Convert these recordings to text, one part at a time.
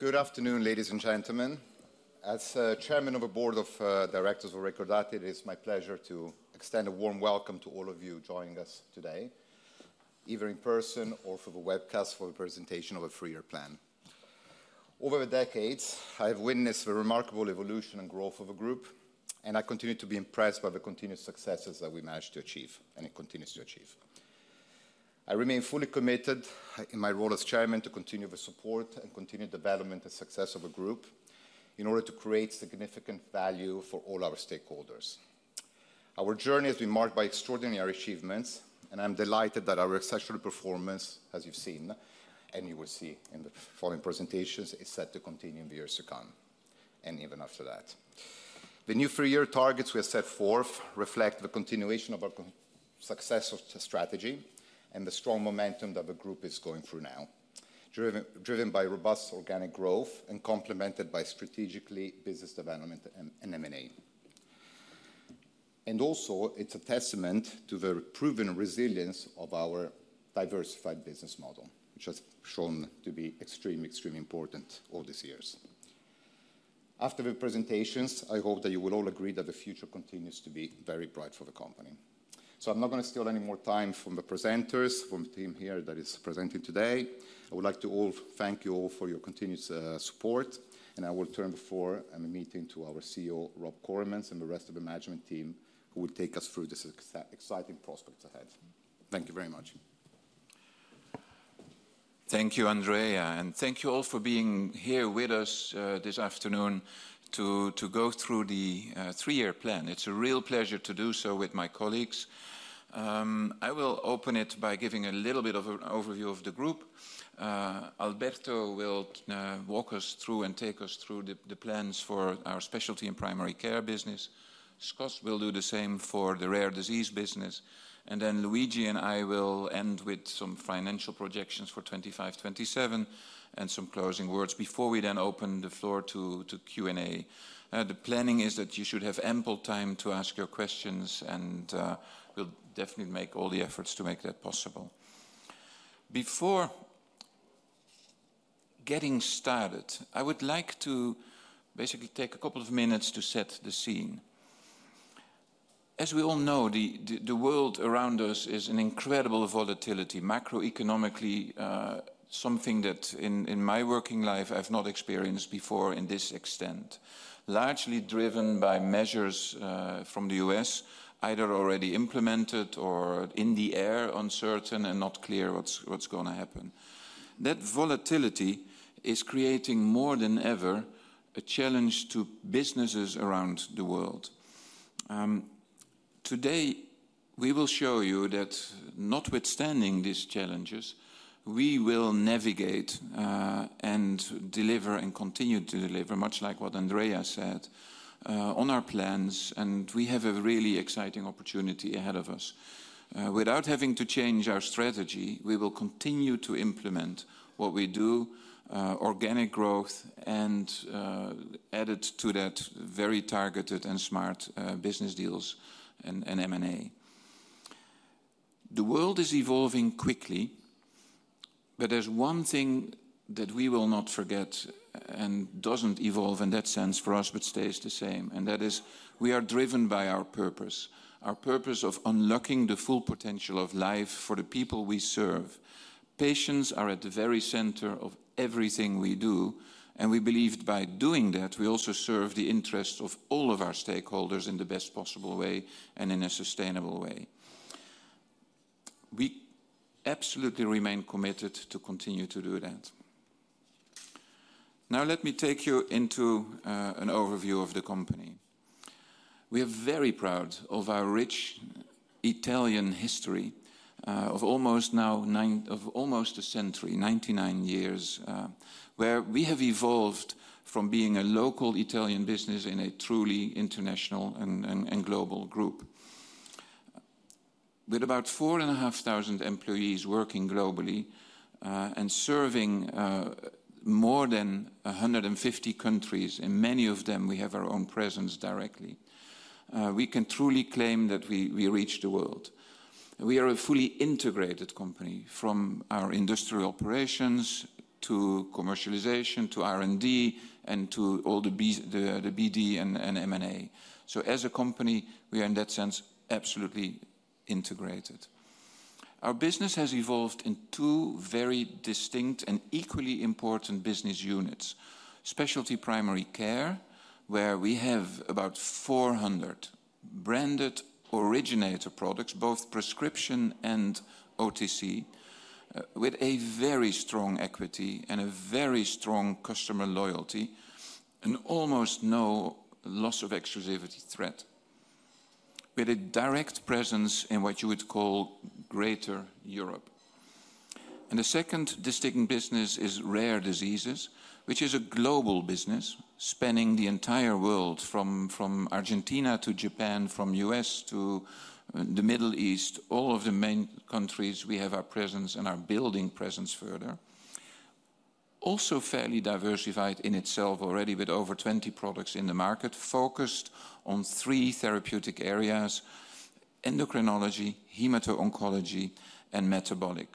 Good afternoon, ladies and gentlemen. As Chairman of the Board of Directors of Recordati, it is my pleasure to extend a warm welcome to all of you joining us today, either in person or through a webcast for the presentation of a three-year plan. Over the decades, I have witnessed the remarkable evolution and growth of the group, and I continue to be impressed by the continuous successes that we managed to achieve, and it continues to achieve. I remain fully committed in my role as Chairman to continue the support and continued development and success of the group in order to create significant value for all our stakeholders. Our journey has been marked by extraordinary achievements, and I'm delighted that our exceptional performance, as you've seen and you will see in the following presentations, is set to continue in the years to come, and even after that. The new three-year targets we have set forth reflect the continuation of our successful strategy and the strong momentum that the group is going through now, driven by robust organic growth and complemented by strategic business development and M&A. It is also a testament to the proven resilience of our diversified business model, which has shown to be extremely, extremely important all these years. After the presentations, I hope that you will all agree that the future continues to be very bright for the company. I am not going to steal any more time from the presenters, from the team here that is presenting today. I would like to thank you all for your continued support, and I will turn the floor and the meeting to our CEO, Rob Koremans, and the rest of the management team who will take us through these exciting prospects ahead. Thank you very much. Thank you, Andrea, and thank you all for being here with us this afternoon to go through the three-year plan. It's a real pleasure to do so with my colleagues. I will open it by giving a little bit of an overview of the group. Alberto will walk us through and take us through the plans for our specialty and primary care business. Scott will do the same for the rare disease business. Luigi and I will end with some financial projections for 2025-2027 and some closing words before we then open the floor to Q&A. The planning is that you should have ample time to ask your questions, and we'll definitely make all the efforts to make that possible. Before getting started, I would like to basically take a couple of minutes to set the scene. As we all know, the world around us is an incredible volatility, macroeconomically, something that in my working life I've not experienced before in this extent, largely driven by measures from the U.S., either already implemented or in the air, uncertain and not clear what's going to happen. That volatility is creating more than ever a challenge to businesses around the world. Today, we will show you that notwithstanding these challenges, we will navigate and deliver and continue to deliver, much like what Andrea said, on our plans, and we have a really exciting opportunity ahead of us. Without having to change our strategy, we will continue to implement what we do, organic growth, and add it to that very targeted and smart business deals and M&A. The world is evolving quickly, but there's one thing that we will not forget and does not evolve in that sense for us, but stays the same, and that is we are driven by our purpose, our purpose of unlocking the full potential of life for the people we serve. Patients are at the very center of everything we do, and we believe by doing that, we also serve the interests of all of our stakeholders in the best possible way and in a sustainable way. We absolutely remain committed to continue to do that. Now, let me take you into an overview of the company. We are very proud of our rich Italian history of almost now nine, of almost a century, 99 years, where we have evolved from being a local Italian business into a truly international and global group. With about four and a half thousand employees working globally and serving more than 150 countries, in many of them we have our own presence directly, we can truly claim that we reach the world. We are a fully integrated company from our industrial operations to commercialization to R&D and to all the BD and M&A. As a company, we are in that sense absolutely integrated. Our business has evolved in two very distinct and equally important business units, specialty primary care, where we have about 400 branded originator products, both prescription and OTC, with a very strong equity and a very strong customer loyalty and almost no loss of exclusivity threat, with a direct presence in what you would call Greater Europe. The second distinct business is rare diseases, which is a global business spanning the entire world from Argentina to Japan, from the U.S. to the Middle East, all of the main countries we have our presence and are building presence further. Also fairly diversified in itself already with over 20 products in the market, focused on three therapeutic areas: endocrinology, hemato-oncology, and metabolic,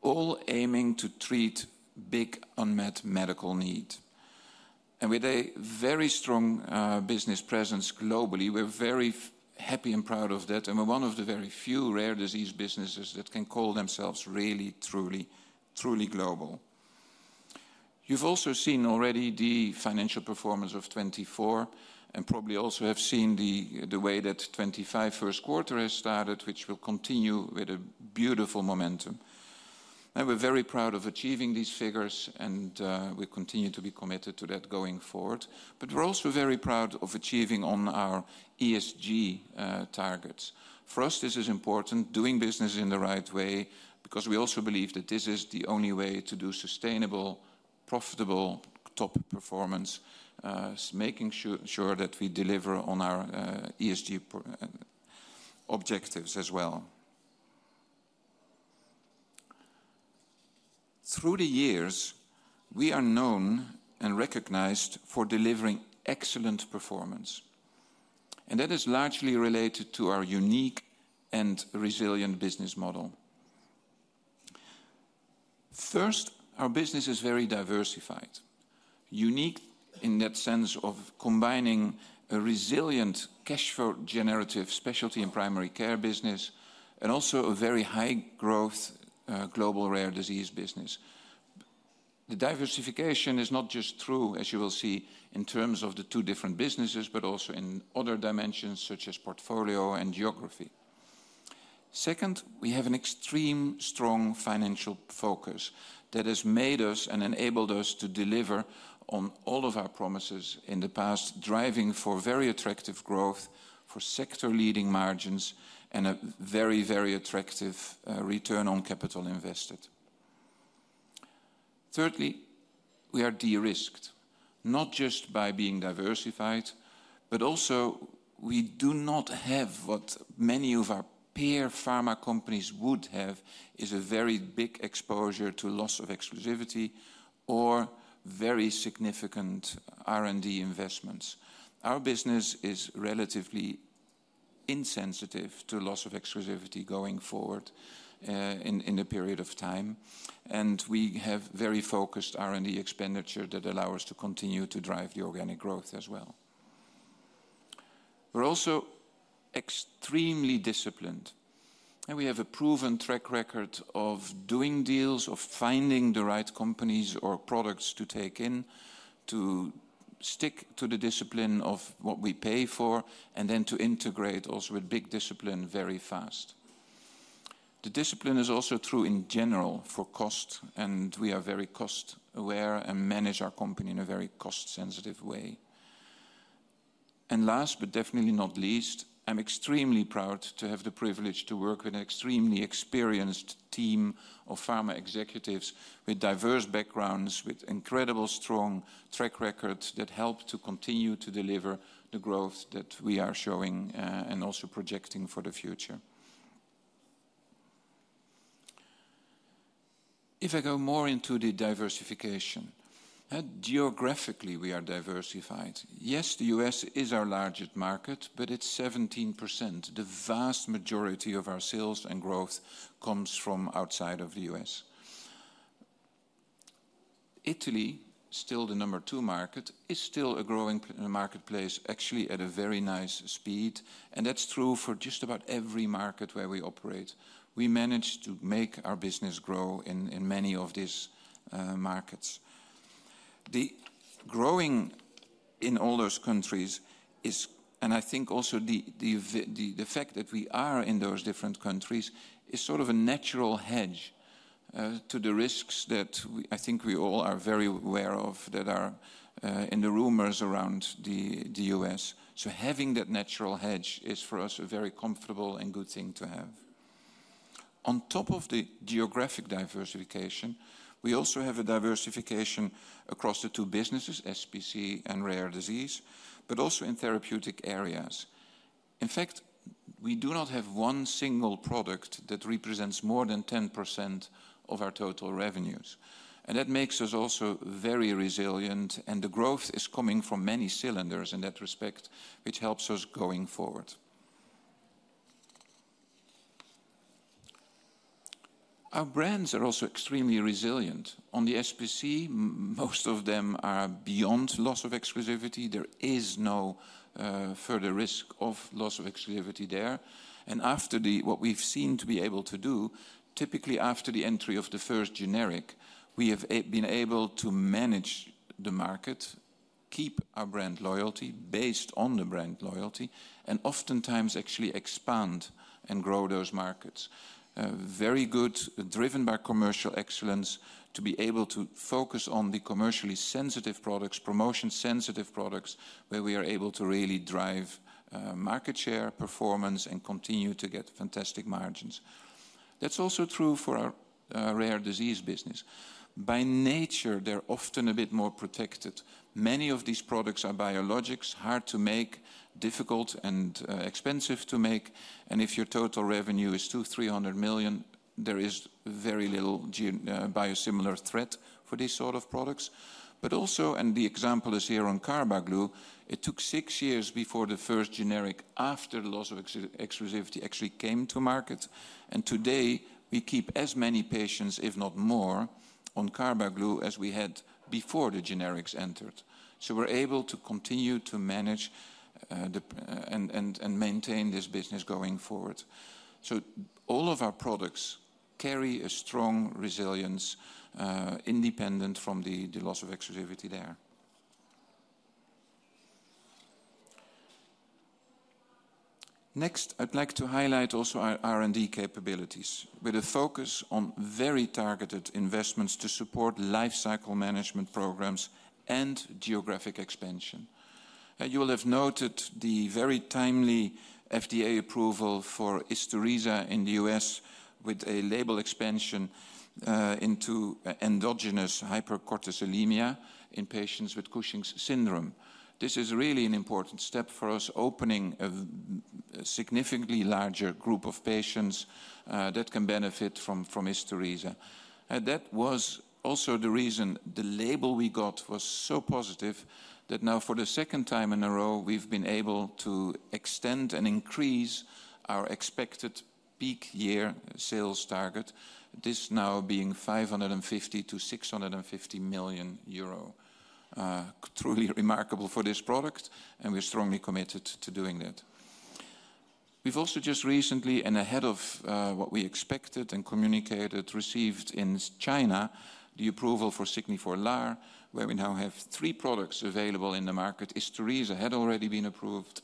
all aiming to treat big unmet medical needs. With a very strong business presence globally, we're very happy and proud of that, and we're one of the very few rare disease businesses that can call themselves really, truly, truly global. You've also seen already the financial performance of 2024 and probably also have seen the way that 2025 first quarter has started, which will continue with a beautiful momentum. We are very proud of achieving these figures, and we continue to be committed to that going forward. We are also very proud of achieving on our ESG targets. For us, this is important, doing business in the right way, because we also believe that this is the only way to do sustainable, profitable, top performance, making sure that we deliver on our ESG objectives as well. Through the years, we are known and recognized for delivering excellent performance, and that is largely related to our unique and resilient business model. First, our business is very diversified, unique in that sense of combining a resilient cash-generative specialty and primary care business and also a very high-growth global rare disease business. The diversification is not just true, as you will see, in terms of the two different businesses, but also in other dimensions such as portfolio and geography. Second, we have an extremely strong financial focus that has made us and enabled us to deliver on all of our promises in the past, driving for very attractive growth, for sector-leading margins, and a very, very attractive return on capital invested. Thirdly, we are de-risked, not just by being diversified, but also we do not have what many of our peer pharma companies would have: a very big exposure to loss of exclusivity or very significant R&D investments. Our business is relatively insensitive to loss of exclusivity going forward in the period of time, and we have very focused R&D expenditure that allows us to continue to drive the organic growth as well. We're also extremely disciplined, and we have a proven track record of doing deals, of finding the right companies or products to take in, to stick to the discipline of what we pay for, and then to integrate also with big discipline very fast. The discipline is also true in general for cost, and we are very cost-aware and manage our company in a very cost-sensitive way. Last but definitely not least, I'm extremely proud to have the privilege to work with an extremely experienced team of pharma executives with diverse backgrounds, with incredible strong track records that help to continue to deliver the growth that we are showing and also projecting for the future. If I go more into the diversification, geographically we are diversified. Yes, the U.S. is our largest market, but it's 17%. The vast majority of our sales and growth comes from outside of the U.S. Italy, still the number two market, is still a growing marketplace, actually at a very nice speed, and that's true for just about every market where we operate. We manage to make our business grow in many of these markets. The growing in all those countries is, and I think also the fact that we are in those different countries is sort of a natural hedge to the risks that I think we all are very aware of that are in the rumors around the U.S. Having that natural hedge is for us a very comfortable and good thing to have. On top of the geographic diversification, we also have a diversification across the two businesses, SPC and rare disease, but also in therapeutic areas. In fact, we do not have one single product that represents more than 10% of our total revenues, and that makes us also very resilient, and the growth is coming from many cylinders in that respect, which helps us going forward. Our brands are also extremely resilient. On the SPC, most of them are beyond loss of exclusivity. There is no further risk of loss of exclusivity there. After what we've seen to be able to do, typically after the entry of the first generic, we have been able to manage the market, keep our brand loyalty based on the brand loyalty, and oftentimes actually expand and grow those markets. Very good, driven by commercial excellence to be able to focus on the commercially sensitive products, promotion-sensitive products where we are able to really drive market share, performance, and continue to get fantastic margins. That's also true for our rare disease business. By nature, they're often a bit more protected. Many of these products are biologics, hard to make, difficult and expensive to make, and if your total revenue is 200 million, 300 million, there is very little biosimilar threat for these sort of products. Also, and the example is here on Carbaglu, it took six years before the first generic after loss of exclusivity actually came to market, and today we keep as many patients, if not more, on Carbaglu as we had before the generics entered. We are able to continue to manage and maintain this business going forward. All of our products carry a strong resilience independent from the loss of exclusivity there. Next, I'd like to highlight also our R&D capabilities with a focus on very targeted investments to support lifecycle management programs and geographic expansion. You will have noted the very timely FDA approval for ISTURISA in the U.S. with a label expansion into endogenous hypercortisolemia in patients with Cushing's syndrome. This is really an important step for us, opening a significantly larger group of patients that can benefit from ISTURISA. That was also the reason the label we got was so positive that now for the second time in a row, we've been able to extend and increase our expected peak year sales target, this now being 550 million-650 million euro. Truly remarkable for this product, and we're strongly committed to doing that. We've also just recently, and ahead of what we expected and communicated, received in China the approval for SIGNIFOR LAR, where we now have three products available in the market. ISTURISA had already been approved,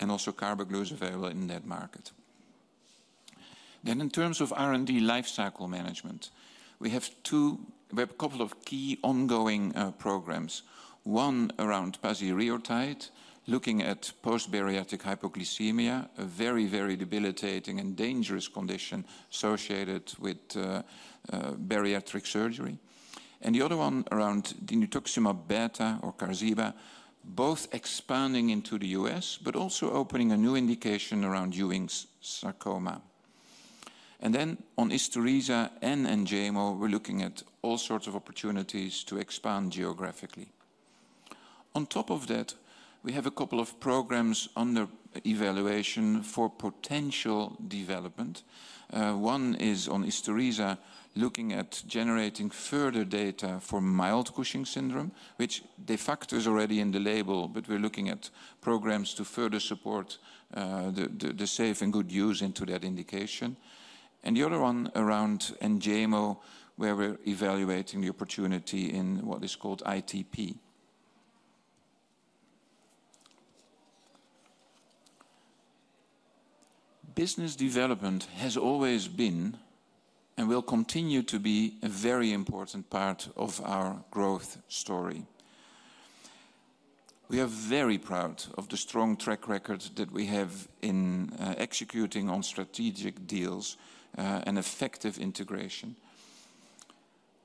and also Carbaglu is available in that market. In terms of R&D lifecycle management, we have a couple of key ongoing programs. One around pasireotide, looking at post-bariatric hypoglycemia, a very, very debilitating and dangerous condition associated with bariatric surgery. The other one around dinutuximab beta or QARZIBA, both expanding into the U.S., but also opening a new indication around Ewing's sarcoma. On ISTURISA and Enjaymo, we're looking at all sorts of opportunities to expand geographically. On top of that, we have a couple of programs under evaluation for potential development. One is on ISTURISA, looking at generating further data for mild Cushing's syndrome, which de facto is already in the label, but we're looking at programs to further support the safe and good use into that indication. The other one around Enjaymo, where we're evaluating the opportunity in what is called ITP. Business development has always been and will continue to be a very important part of our growth story. We are very proud of the strong track record that we have in executing on strategic deals and effective integration.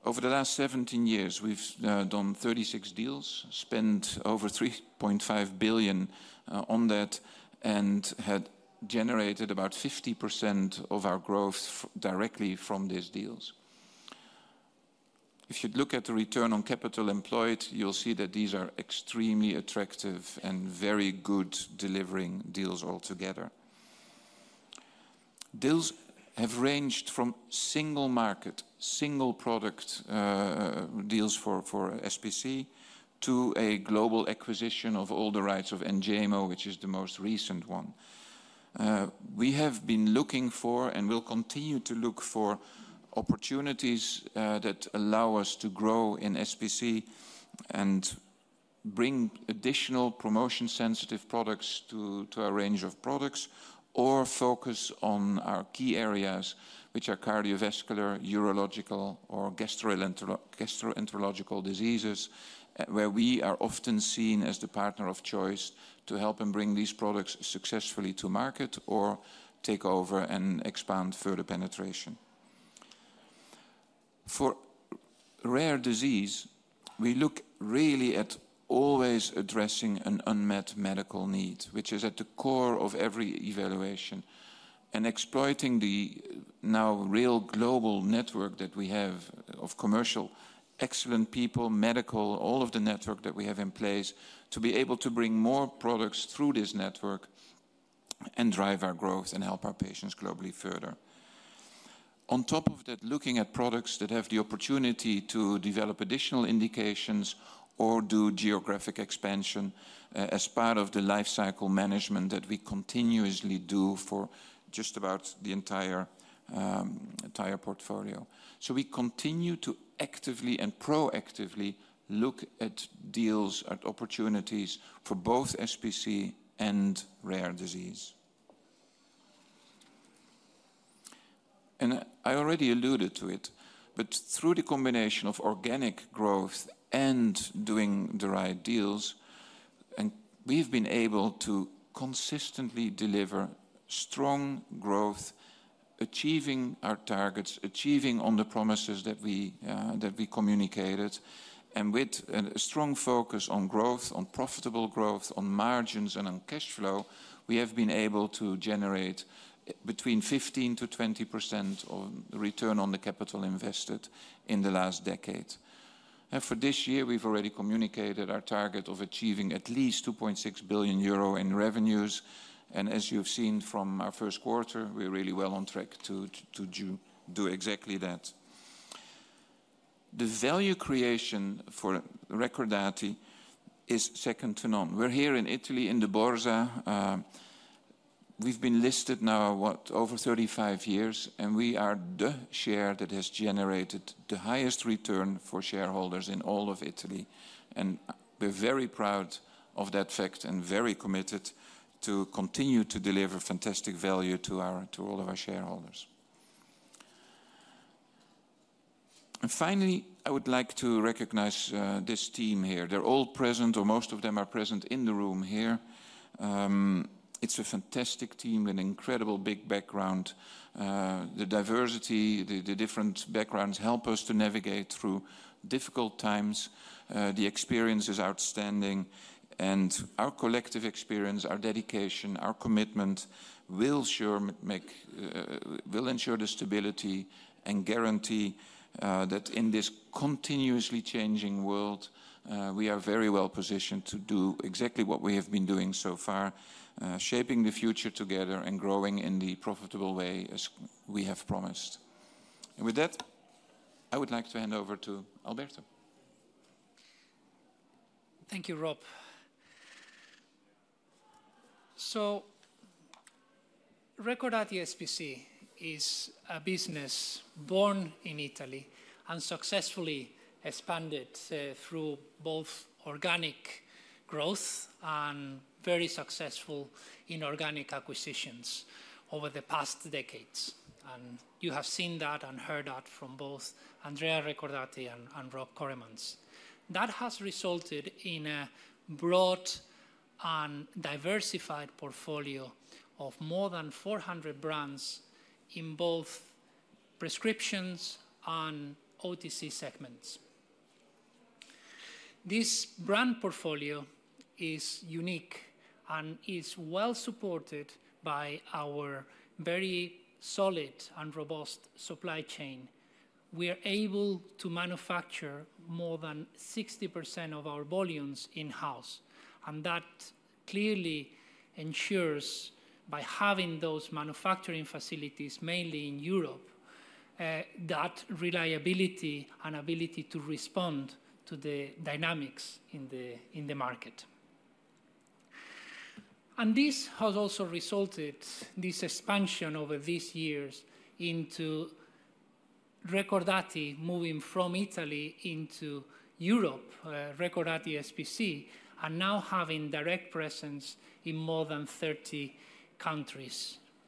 Over the last 17 years, we've done 36 deals, spent 3.5 billion on that, and had generated about 50% of our growth directly from these deals. If you look at the return on capital employed, you'll see that these are extremely attractive and very good delivering deals altogether. Deals have ranged from single market, single product deals for SPC to a global acquisition of all the rights of Enjaymo, which is the most recent one. We have been looking for and will continue to look for opportunities that allow us to grow in SPC and bring additional promotion-sensitive products to our range of products or focus on our key areas, which are cardiovascular, urological, or gastroenterological diseases, where we are often seen as the partner of choice to help them bring these products successfully to market or take over and expand further penetration. For rare disease, we look really at always addressing an unmet medical need, which is at the core of every evaluation, and exploiting the now real global network that we have of commercial, excellent people, medical, all of the network that we have in place to be able to bring more products through this network and drive our growth and help our patients globally further. On top of that, looking at products that have the opportunity to develop additional indications or do geographic expansion as part of the lifecycle management that we continuously do for just about the entire portfolio. We continue to actively and proactively look at deals, at opportunities for both SPC and rare disease. I already alluded to it, but through the combination of organic growth and doing the right deals, we've been able to consistently deliver strong growth, achieving our targets, achieving on the promises that we communicated, and with a strong focus on growth, on profitable growth, on margins, and on cash flow, we have been able to generate between 15%-20% of the return on the capital invested in the last decade. For this year, we've already communicated our target of achieving at least 2.6 billion euro in revenues, and as you've seen from our first quarter, we're really well on track to do exactly that. The value creation for Recordati is second to none. We're here in Italy, in the Borsa. We've been listed now, what, over 35 years, and we are the share that has generated the highest return for shareholders in all of Italy, and we're very proud of that fact and very committed to continue to deliver fantastic value to all of our shareholders. Finally, I would like to recognize this team here. They're all present, or most of them are present in the room here. It's a fantastic team with an incredible big background. The diversity, the different backgrounds help us to navigate through difficult times. The experience is outstanding, and our collective experience, our dedication, our commitment will ensure the stability and guarantee that in this continuously changing world, we are very well positioned to do exactly what we have been doing so far, shaping the future together and growing in the profitable way as we have promised. I would like to hand over to Alberto. Thank you, Rob. Recordati SPC is a business born in Italy and successfully expanded through both organic growth and very successful inorganic acquisitions over the past decades. You have seen that and heard that from both Andrea Recordati and Rob Koremans. That has resulted in a broad and diversified portfolio of more than 400 brands in both prescriptions and OTC segments. This brand portfolio is unique and is well supported by our very solid and robust supply chain. We are able to manufacture more than 60% of our volumes in-house, and that clearly ensures, by having those manufacturing facilities mainly in Europe, that reliability and ability to respond to the dynamics in the market. This has also resulted, this expansion over these years into Recordati moving from Italy into Europe, Recordati SPC, and now having direct presence in more than 30 countries,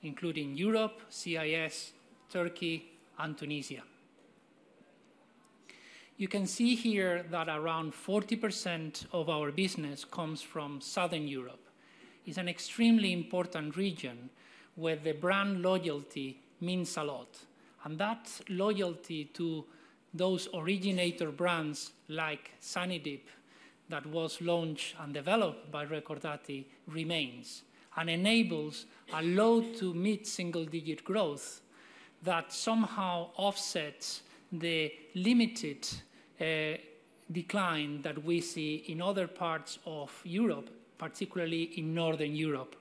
including Europe, CIS, Turkey, and Tunisia. You can see here that around 40% of our business comes from Southern Europe. It's an extremely important region where the brand loyalty means a lot, and that loyalty to those originator brands like Zanidip that was launched and developed by Recordati remains and enables a low to mid-single digit growth that somehow offsets the limited decline that we see in other parts of Europe, particularly in Northern Europe,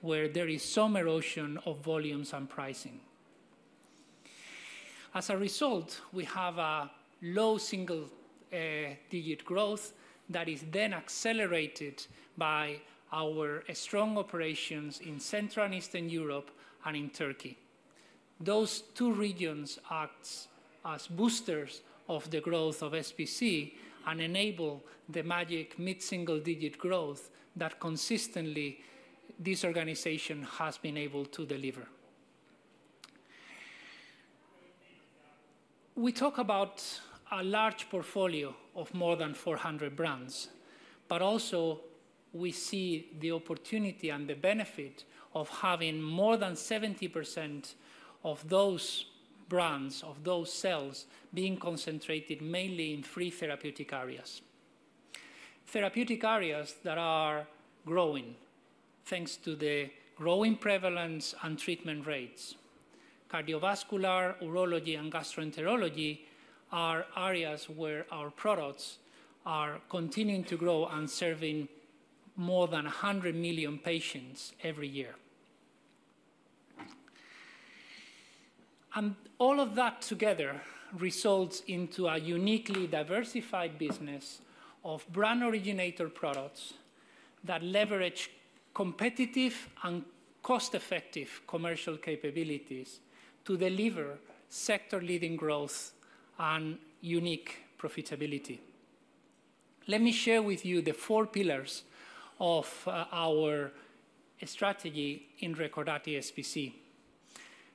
where there is some erosion of volumes and pricing. As a result, we have a low single digit growth that is then accelerated by our strong operations in Central and Eastern Europe and in Turkey. Those two regions act as boosters of the growth of SPC and enable the magic mid-single digit growth that consistently this organization has been able to deliver. We talk about a large portfolio of more than 400 brands, but also we see the opportunity and the benefit of having more than 70% of those brands, of those sales being concentrated mainly in three therapeutic areas. Therapeutic areas that are growing thanks to the growing prevalence and treatment rates. Cardiovascular, urology, and gastroenterology are areas where our products are continuing to grow and serving more than 100 million patients every year. All of that together results in a uniquely diversified business of brand originator products that leverage competitive and cost-effective commercial capabilities to deliver sector-leading growth and unique profitability. Let me share with you the four pillars of our strategy in Recordati SPC.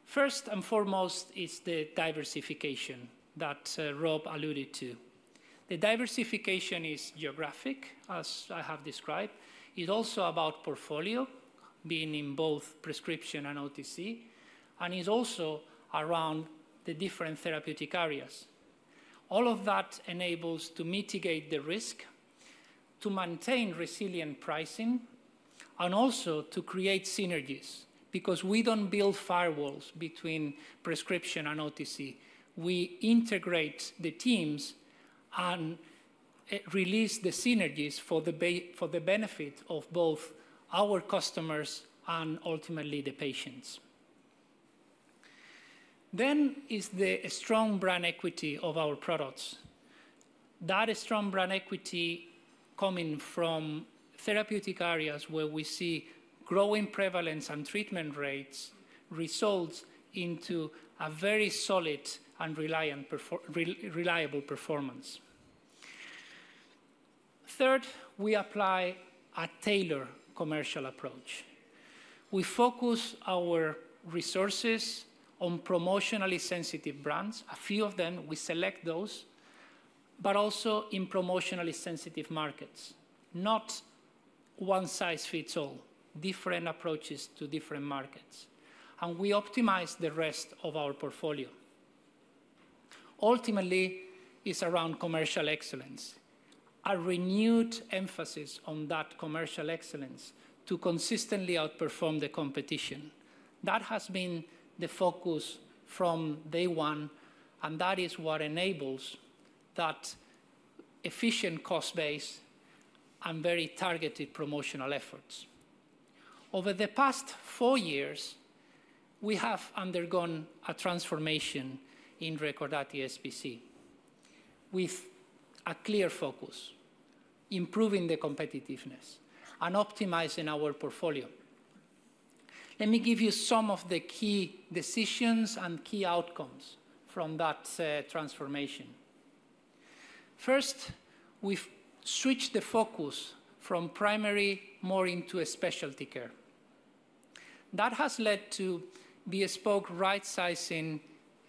First and foremost is the diversification that Rob alluded to. The diversification is geographic, as I have described. It is also about portfolio, being in both prescription and OTC, and it is also around the different therapeutic areas. All of that enables us to mitigate the risk, to maintain resilient pricing, and also to create synergies because we do not build firewalls between prescription and OTC. We integrate the teams and release the synergies for the benefit of both our customers and ultimately the patients. There is the strong brand equity of our products. That strong brand equity coming from therapeutic areas where we see growing prevalence and treatment rates results into a very solid and reliable performance. Third, we apply a tailored commercial approach. We focus our resources on promotionally sensitive brands, a few of them, we select those, but also in promotionally sensitive markets. Not one size fits all, different approaches to different markets. We optimize the rest of our portfolio. Ultimately, it's around commercial excellence, a renewed emphasis on that commercial excellence to consistently outperform the competition. That has been the focus from day one, and that is what enables that efficient cost-based and very targeted promotional efforts. Over the past four years, we have undergone a transformation in Recordati SPC with a clear focus on improving the competitiveness and optimizing our portfolio. Let me give you some of the key decisions and key outcomes from that transformation. First, we've switched the focus from primary more into a specialty care. That has led to bespoke right-sizing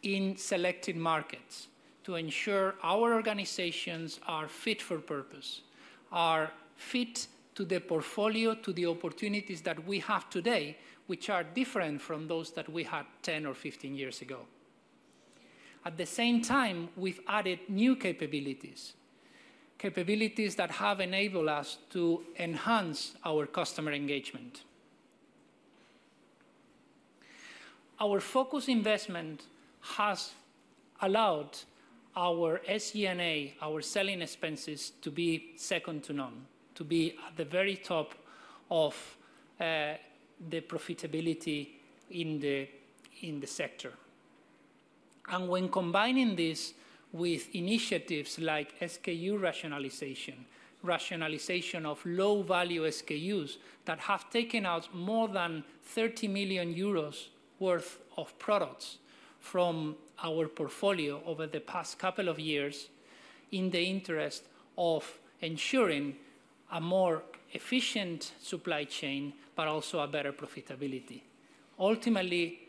in selected markets to ensure our organizations are fit for purpose, are fit to the portfolio, to the opportunities that we have today, which are different from those that we had 10 or 15 years ago. At the same time, we've added new capabilities, capabilities that have enabled us to enhance our customer engagement. Our focus investment has allowed our SG&A, our selling expenses, to be second to none, to be at the very top of the profitability in the sector. When combining this with initiatives like SKU rationalization, rationalization of low-value SKUs that have taken out more than 30 million euros worth of products from our portfolio over the past couple of years in the interest of ensuring a more efficient supply chain, but also a better profitability. Ultimately,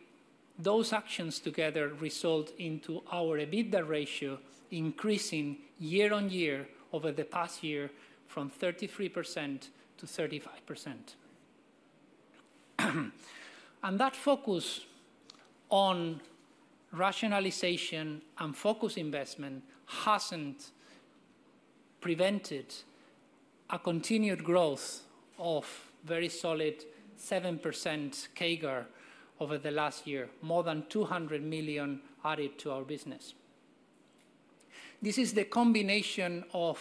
those actions together result in our EBITDA ratio increasing year on year over the past year from 33% to 35%. That focus on rationalization and focus investment has not prevented a continued growth of very solid 7% CAGR over the last year, more than 200 million added to our business. This is the combination of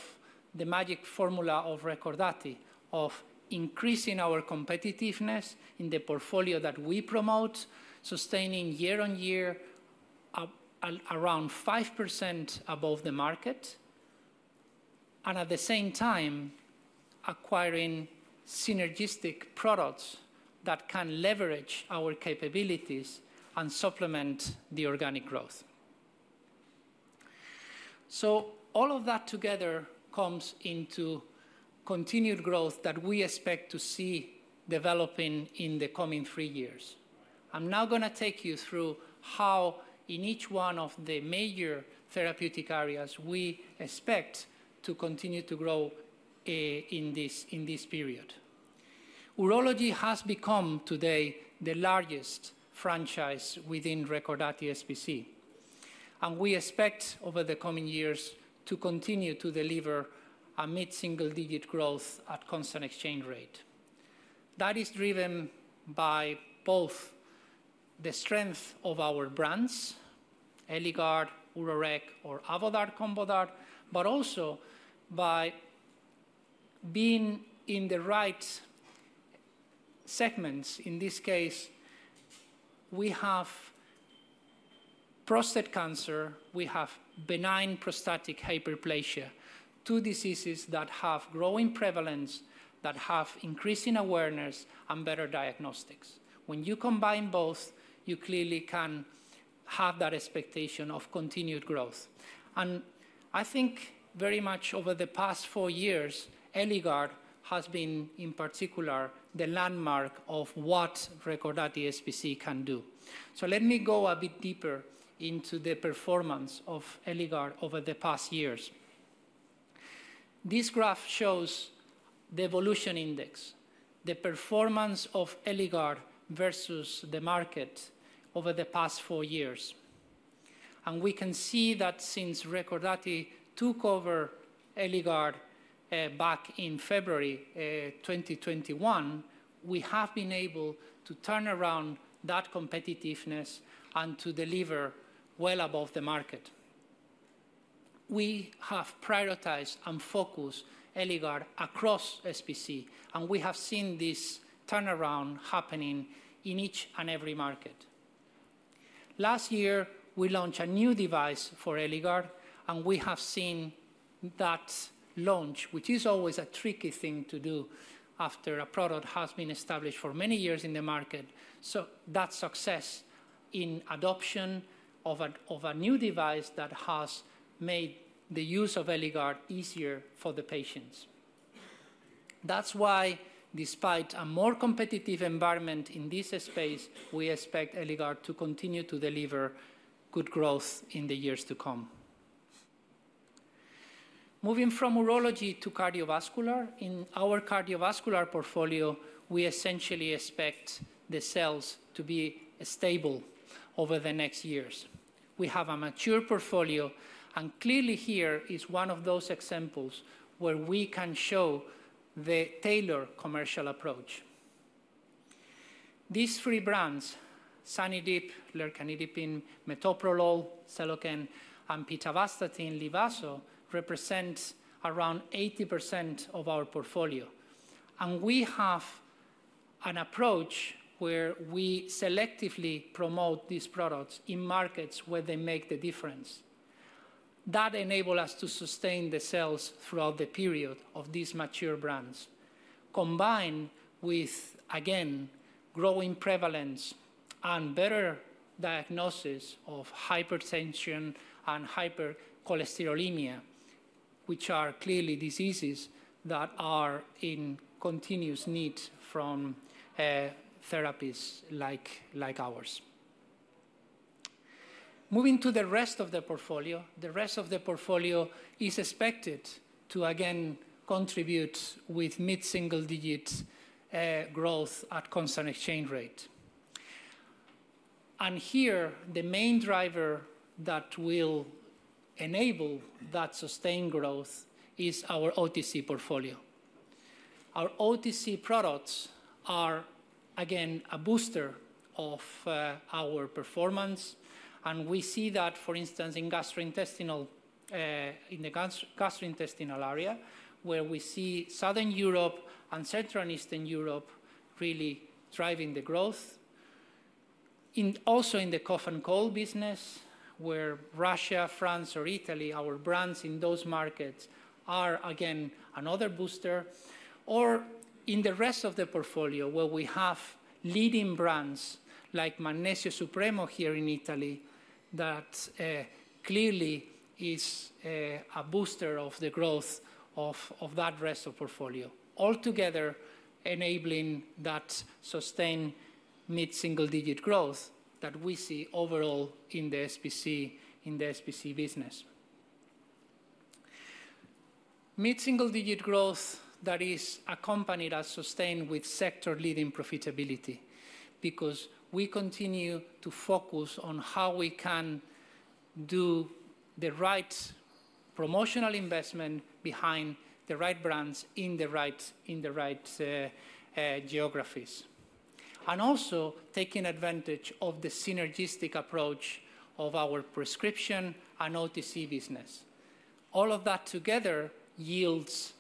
the magic formula of Recordati, of increasing our competitiveness in the portfolio that we promote, sustaining year on year around 5% above the market, and at the same time, acquiring synergistic products that can leverage our capabilities and supplement the organic growth. All of that together comes into continued growth that we expect to see developing in the coming three years. I'm now going to take you through how in each one of the major therapeutic areas we expect to continue to grow in this period. Urology has become today the largest franchise within Recordati SPC, and we expect over the coming years to continue to deliver a mid-single digit growth at constant exchange rate. That is driven by both the strength of our brands, Eligard, UroRec, or Avodart/Combodart, but also by being in the right segments. In this case, we have prostate cancer, we have benign prostatic hyperplasia, two diseases that have growing prevalence, that have increasing awareness and better diagnostics. When you combine both, you clearly can have that expectation of continued growth. I think very much over the past four years, Eligard has been in particular the landmark of what Recordati SPC can do. Let me go a bit deeper into the performance of Eligard over the past years. This graph shows the evolution index, the performance of Eligard versus the market over the past four years. We can see that since Recordati took over Eligard back in February 2021, we have been able to turn around that competitiveness and to deliver well above the market. We have prioritized and focused Eligard across SPC, and we have seen this turnaround happening in each and every market. Last year, we launched a new device for Eligard, and we have seen that launch, which is always a tricky thing to do after a product has been established for many years in the market. That success in adoption of a new device has made the use of Eligard easier for the patients. That's why, despite a more competitive environment in this space, we expect Eligard to continue to deliver good growth in the years to come. Moving from urology to cardiovascular, in our cardiovascular portfolio, we essentially expect the sales to be stable over the next years. We have a mature portfolio, and clearly here is one of those examples where we can show the tailored commercial approach. These three brands, Zanidip, Lercanidipine, Metoprolol, Seloken, and Pitavastatin, Livazo, represent around 80% of our portfolio. We have an approach where we selectively promote these products in markets where they make the difference. That enables us to sustain the sales throughout the period of these mature brands, combined with, again, growing prevalence and better diagnosis of hypertension and hypercholesterolemia, which are clearly diseases that are in continuous need from therapies like ours. Moving to the rest of the portfolio, the rest of the portfolio is expected to, again, contribute with mid-single digit growth at constant exchange rate. Here, the main driver that will enable that sustained growth is our OTC portfolio. Our OTC products are, again, a booster of our performance, and we see that, for instance, in gastrointestinal, in the gastrointestinal area, where we see Southern Europe and Central and Eastern Europe really driving the growth. Also in the cough and cold business, where Russia, France, or Italy, our brands in those markets are, again, another booster, or in the rest of the portfolio where we have leading brands like Magnesio Supremo here in Italy that clearly is a booster of the growth of that rest of portfolio, altogether enabling that sustained mid-single digit growth that we see overall in the SPC business. Mid-single digit growth that is accompanied as sustained with sector-leading profitability because we continue to focus on how we can do the right promotional investment behind the right brands in the right geographies, and also taking advantage of the synergistic approach of our prescription and OTC business. All of that together yields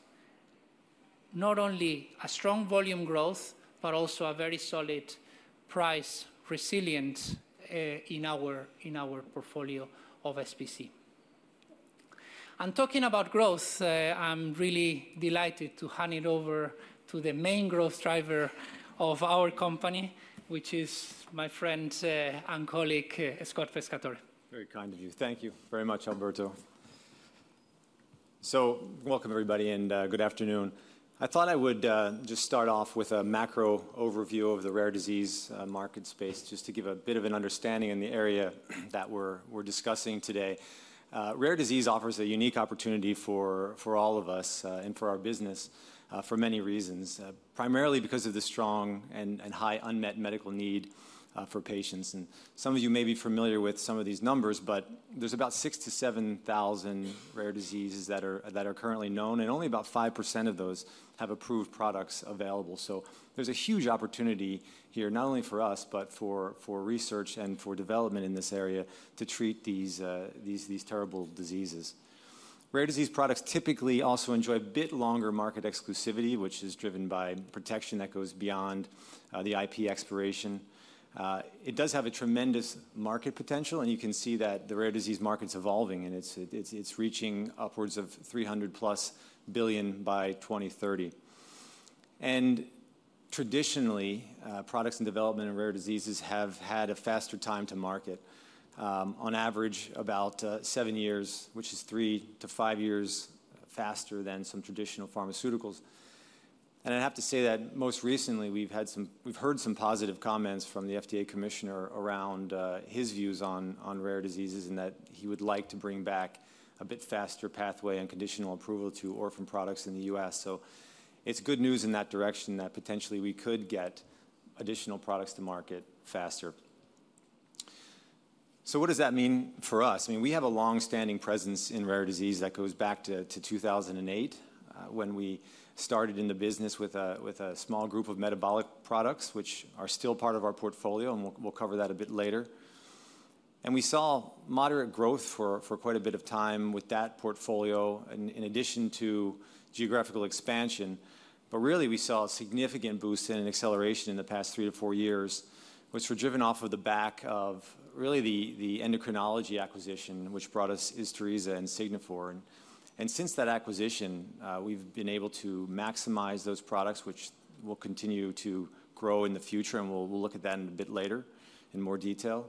not only a strong volume growth, but also a very solid price resilience in our portfolio of SPC. Talking about growth, I'm really delighted to hand it over to the main growth driver of our company, which is my friend and colleague, Scott Pescatore. Very kind of you. Thank you very much, Alberto. Welcome, everybody, and good afternoon. I thought I would just start off with a macro overview of the rare disease market space just to give a bit of an understanding in the area that we're discussing today. Rare disease offers a unique opportunity for all of us and for our business for many reasons, primarily because of the strong and high unmet medical need for patients. Some of you may be familiar with some of these numbers, but there's about 6,000-7,000 rare diseases that are currently known, and only about 5% of those have approved products available. There is a huge opportunity here, not only for us, but for research and for development in this area to treat these terrible diseases. Rare disease products typically also enjoy a bit longer market exclusivity, which is driven by protection that goes beyond the IP expiration. It does have a tremendous market potential, and you can see that the rare disease market's evolving, and it's reaching upwards of 300+ billion by 2030. Traditionally, products and development in rare diseases have had a faster time to market, on average about seven years, which is three to five years faster than some traditional pharmaceuticals. I have to say that most recently, we've heard some positive comments from the FDA Commissioner around his views on rare diseases and that he would like to bring back a bit faster pathway and conditional approval to orphan products in the U.S. It is good news in that direction that potentially we could get additional products to market faster. What does that mean for us? I mean, we have a long-standing presence in rare disease that goes back to 2008 when we started in the business with a small group of metabolic products, which are still part of our portfolio, and we'll cover that a bit later. We saw moderate growth for quite a bit of time with that portfolio in addition to geographical expansion. Really, we saw a significant boost and an acceleration in the past three to four years, which were driven off of the back of really the endocrinology acquisition, which brought us ISTURISA and SIGNIFOR. Since that acquisition, we've been able to maximize those products, which will continue to grow in the future, and we'll look at that a bit later in more detail.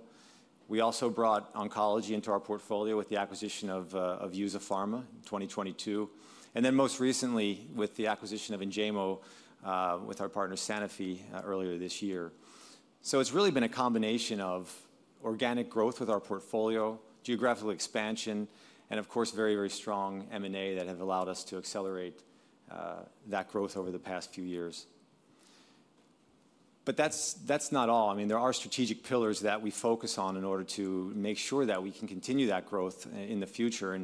We also brought oncology into our portfolio with the acquisition of EUSA Pharma in 2022, and then most recently with the acquisition of Enjaymo with our partner Sanofi earlier this year. It has really been a combination of organic growth with our portfolio, geographical expansion, and of course, very, very strong M&A that have allowed us to accelerate that growth over the past few years. That is not all. I mean, there are strategic pillars that we focus on in order to make sure that we can continue that growth in the future.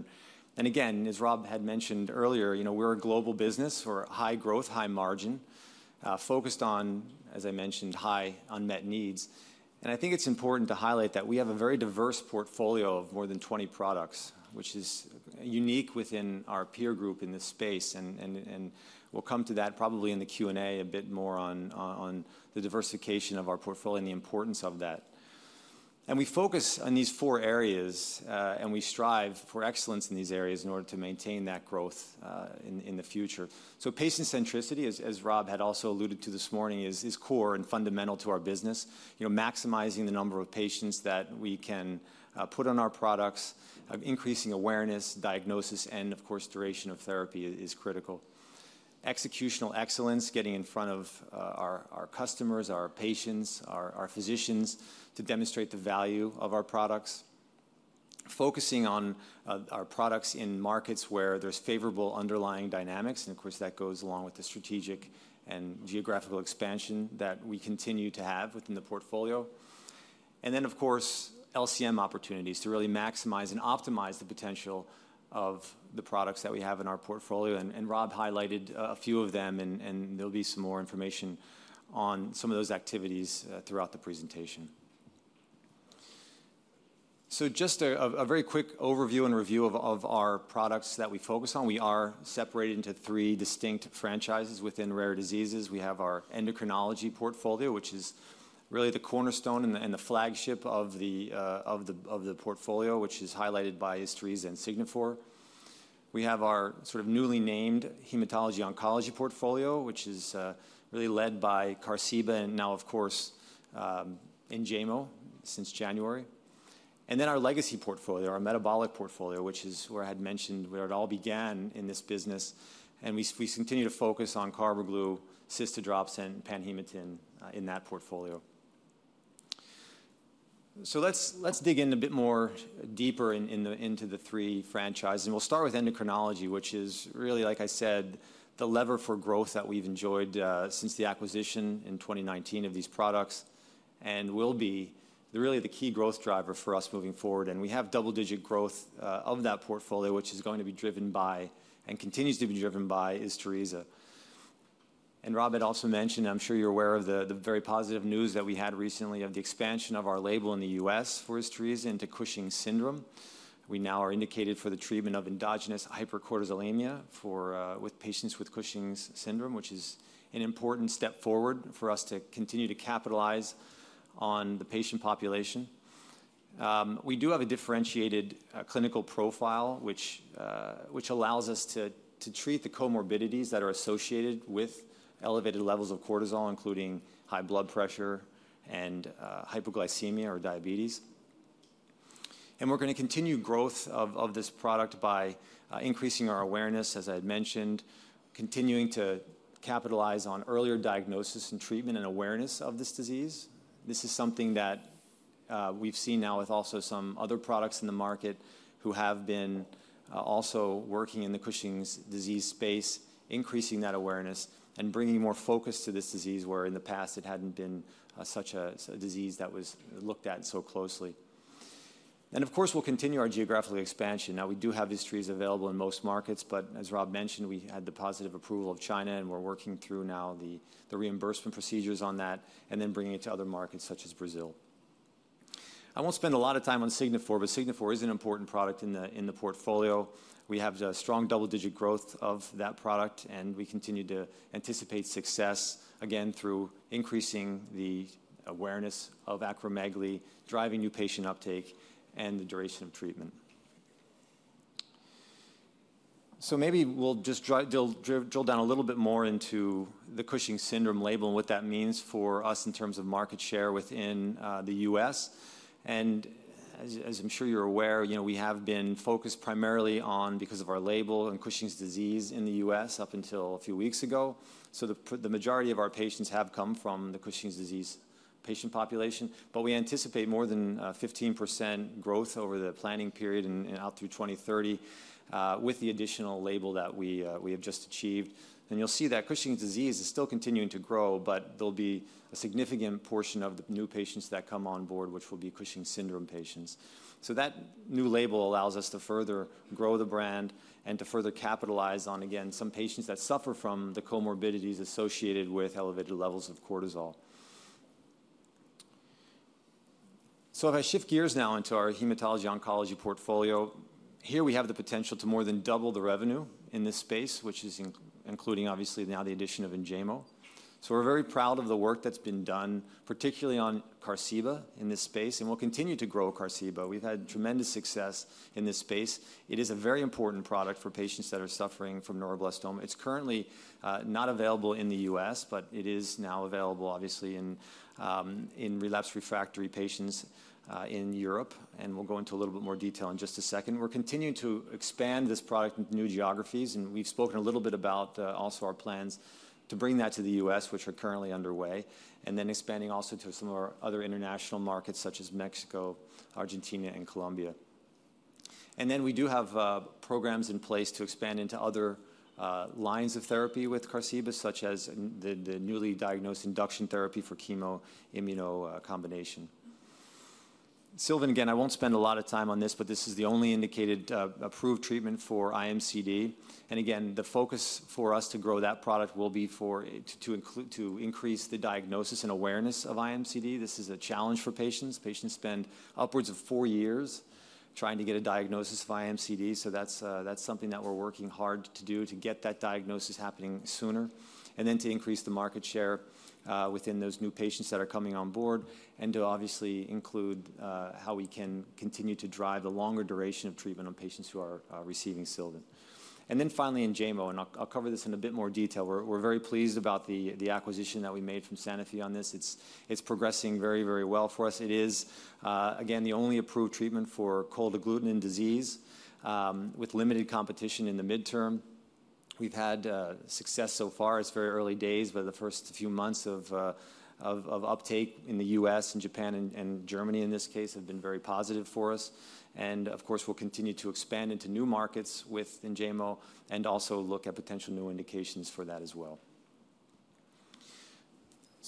As Rob had mentioned earlier, we're a global business. We're high growth, high margin, focused on, as I mentioned, high unmet needs. I think it's important to highlight that we have a very diverse portfolio of more than 20 products, which is unique within our peer group in this space. We'll come to that probably in the Q&A a bit more on the diversification of our portfolio and the importance of that. We focus on these four areas, and we strive for excellence in these areas in order to maintain that growth in the future. Patient centricity, as Rob had also alluded to this morning, is core and fundamental to our business. Maximizing the number of patients that we can put on our products, increasing awareness, diagnosis, and of course, duration of therapy is critical. Executional excellence, getting in front of our customers, our patients, our physicians to demonstrate the value of our products, focusing on our products in markets where there's favorable underlying dynamics. That goes along with the strategic and geographical expansion that we continue to have within the portfolio. Of course, LCM opportunities to really maximize and optimize the potential of the products that we have in our portfolio. Rob highlighted a few of them, and there'll be some more information on some of those activities throughout the presentation. Just a very quick overview and review of our products that we focus on. We are separated into three distinct franchises within rare diseases. We have our endocrinology portfolio, which is really the cornerstone and the flagship of the portfolio, which is highlighted by ISTURISA and SIGNIFOR. We have our sort of newly named hematology oncology portfolio, which is really led by QARZIBA and now, of course, Enjaymo since January. Our legacy portfolio, our metabolic portfolio, is where I had mentioned where it all began in this business. We continue to focus on Carbaglu, CYSTADROPS, and PANHEMATIN in that portfolio. Let's dig in a bit more deeper into the three franchises. We'll start with endocrinology, which is really, like I said, the lever for growth that we've enjoyed since the acquisition in 2019 of these products and will be really the key growth driver for us moving forward. We have double-digit growth of that portfolio, which is going to be driven by and continues to be driven by ISTURISA. Rob had also mentioned, I'm sure you're aware of the very positive news that we had recently of the expansion of our label in the U.S. for ISTURISA into Cushing's syndrome. We now are indicated for the treatment of endogenous hypercortisolemia with patients with Cushing's syndrome, which is an important step forward for us to continue to capitalize on the patient population. We do have a differentiated clinical profile, which allows us to treat the comorbidities that are associated with elevated levels of cortisol, including high blood pressure and hypoglycemia or diabetes. We are going to continue growth of this product by increasing our awareness, as I had mentioned, continuing to capitalize on earlier diagnosis and treatment and awareness of this disease. This is something that we've seen now with also some other products in the market who have been also working in the Cushing's disease space, increasing that awareness and bringing more focus to this disease where in the past it hadn't been such a disease that was looked at so closely. Of course, we'll continue our geographical expansion. Now, we do have ISTURISA available in most markets, but as Rob mentioned, we had the positive approval of China and we're working through now the reimbursement procedures on that and then bringing it to other markets such as Brazil. I won't spend a lot of time on SIGNIFOR, but SIGNIFOR is an important product in the portfolio. We have strong double-digit growth of that product, and we continue to anticipate success again through increasing the awareness of acromegaly, driving new patient uptake, and the duration of treatment. Maybe we'll just drill down a little bit more into the Cushing's syndrome label and what that means for us in terms of market share within the U.S. As I'm sure you're aware, we have been focused primarily on, because of our label, on Cushing's disease in the U.S. up until a few weeks ago. The majority of our patients have come from the Cushing's disease patient population, but we anticipate more than 15% growth over the planning period and out through 2030 with the additional label that we have just achieved. You'll see that Cushing's disease is still continuing to grow, but there will be a significant portion of the new patients that come on board, which will be Cushing's syndrome patients. That new label allows us to further grow the brand and to further capitalize on, again, some patients that suffer from the comorbidities associated with elevated levels of cortisol. If I shift gears now into our hematology oncology portfolio, here we have the potential to more than double the revenue in this space, which is including, obviously, now the addition of Enjaymo. We are very proud of the work that has been done, particularly on QARZIBA in this space, and we will continue to grow QARZIBA. We have had tremendous success in this space. It is a very important product for patients that are suffering from neuroblastoma. It is currently not available in the U.S., but it is now available, obviously, in relapse refractory patients in Europe, and we will go into a little bit more detail in just a second. We're continuing to expand this product in new geographies, and we've spoken a little bit about also our plans to bring that to the U.S., which are currently underway, and expanding also to some of our other international markets such as Mexico, Argentina, and Colombia. We do have programs in place to expand into other lines of therapy with QARZIBA, such as the newly diagnosed induction therapy for chemoimmunocombination. SYLVANT, again, I won't spend a lot of time on this, but this is the only indicated approved treatment for iMCD. The focus for us to grow that product will be to increase the diagnosis and awareness of iMCD. This is a challenge for patients. Patients spend upwards of four years trying to get a diagnosis of iMCD, so that's something that we're working hard to do to get that diagnosis happening sooner and then to increase the market share within those new patients that are coming on board and to obviously include how we can continue to drive the longer duration of treatment on patients who are receiving SYLVANT. Finally, Enjaymo, and I'll cover this in a bit more detail. We're very pleased about the acquisition that we made from Sanofi on this. It's progressing very, very well for us. It is, again, the only approved treatment for cold agglutinin disease with limited competition in the midterm. We've had success so far. It's very early days, but the first few months of uptake in the U.S. and Japan and Germany in this case have been very positive for us. Of course, we'll continue to expand into new markets with Enjaymo and also look at potential new indications for that as well.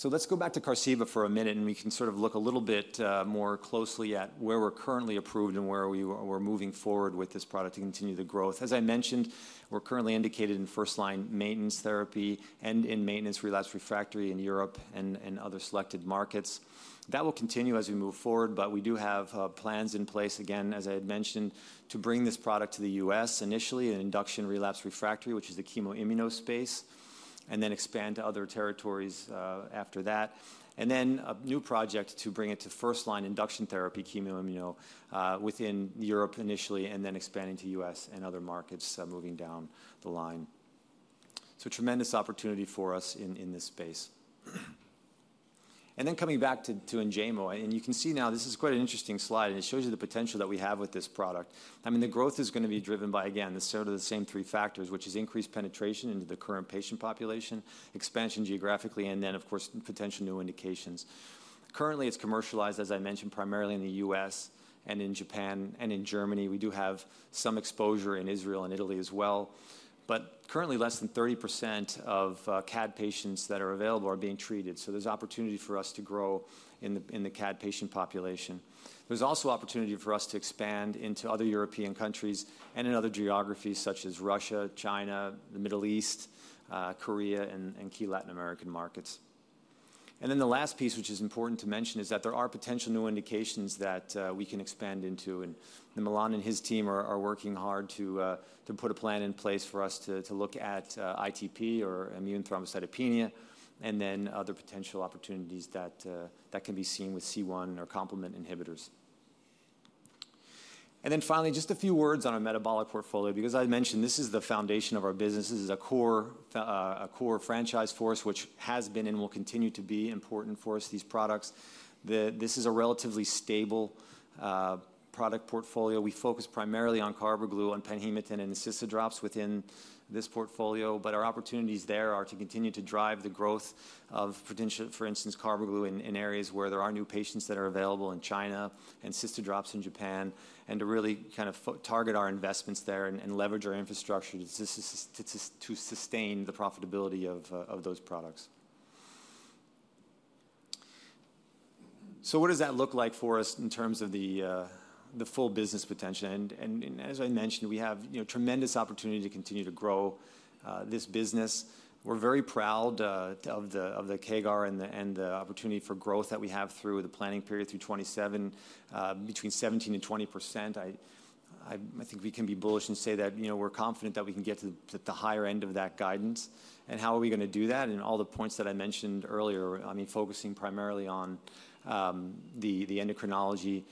Let's go back to QARZIBA for a minute, and we can sort of look a little bit more closely at where we're currently approved and where we're moving forward with this product to continue the growth. As I mentioned, we're currently indicated in first-line maintenance therapy and in maintenance relapse refractory in Europe and other selected markets. That will continue as we move forward, but we do have plans in place, again, as I had mentioned, to bring this product to the US initially in induction relapse refractory, which is the chemoimmuno space, and then expand to other territories after that. A new project to bring it to first-line induction therapy chemoimmuno within Europe initially and then expanding to the U.S. and other markets moving down the line. Tremendous opportunity for us in this space. Coming back to Enjaymo, you can see now this is quite an interesting slide, and it shows you the potential that we have with this product. I mean, the growth is going to be driven by, again, the sort of the same three factors, which is increased penetration into the current patient population, expansion geographically, and then, of course, potential new indications. Currently, it's commercialized, as I mentioned, primarily in the U.S. and in Japan and in Germany. We do have some exposure in Israel and Italy as well, but currently less than 30% of CAD patients that are available are being treated. There is opportunity for us to grow in the CAD patient population. There is also opportunity for us to expand into other European countries and in other geographies such as Russia, China, the Middle East, Korea, and key Latin American markets. The last piece, which is important to mention, is that there are potential new indications that we can expand into. Milan and his team are working hard to put a plan in place for us to look at ITP or immune thrombocytopenia and other potential opportunities that can be seen with C1 or complement inhibitors. Finally, just a few words on our metabolic portfolio, because I mentioned this is the foundation of our business. This is a core franchise for us, which has been and will continue to be important for us, these products. This is a relatively stable product portfolio. We focus primarily on Carbaglu, on PANHEMATIN, and CYSTADROPS within this portfolio, but our opportunities there are to continue to drive the growth of, for instance, Carbaglu in areas where there are new patients that are available in China and CYSTADROPS in Japan, and to really kind of target our investments there and leverage our infrastructure to sustain the profitability of those products. What does that look like for us in terms of the full business potential? As I mentioned, we have tremendous opportunity to continue to grow this business. We're very proud of the CAGR and the opportunity for growth that we have through the planning period through 2027, between 17%-20%. I think we can be bullish and say that we're confident that we can get to the higher end of that guidance. How are we going to do that? All the points that I mentioned earlier, I mean, focusing primarily on the endocrinology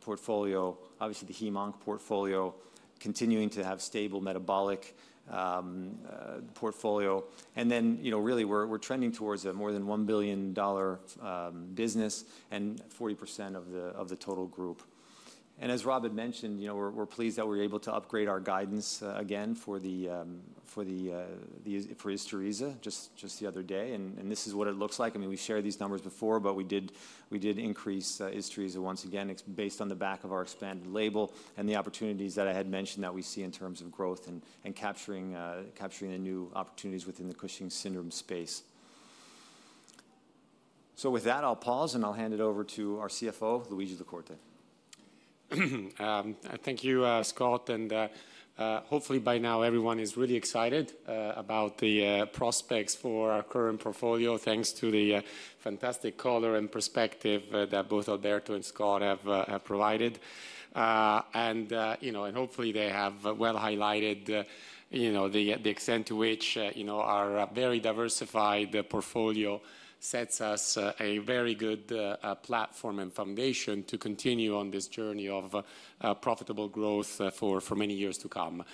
portfolio, obviously the Hem-Onc portfolio, continuing to have stable metabolic portfolio. Then really we're trending towards a more than EUR 1 billion business and 40% of the total group. As Rob had mentioned, we're pleased that we're able to upgrade our guidance again for ISTURISA just the other day. This is what it looks like. I mean, we shared these numbers before, but we did increase ISTURISA once again. It's based on the back of our expanded label and the opportunities that I had mentioned that we see in terms of growth and capturing the new opportunities within the Cushing's syndrome space. With that, I'll pause and I'll hand it over to our CFO, Luigi La Corte. Thank you, Scott. Hopefully by now everyone is really excited about the prospects for our current portfolio, thanks to the fantastic color and perspective that both Alberto and Scott have provided. Hopefully they have well highlighted the extent to which our very diversified portfolio sets us a very good platform and foundation to continue on this journey of profitable growth for many years to come.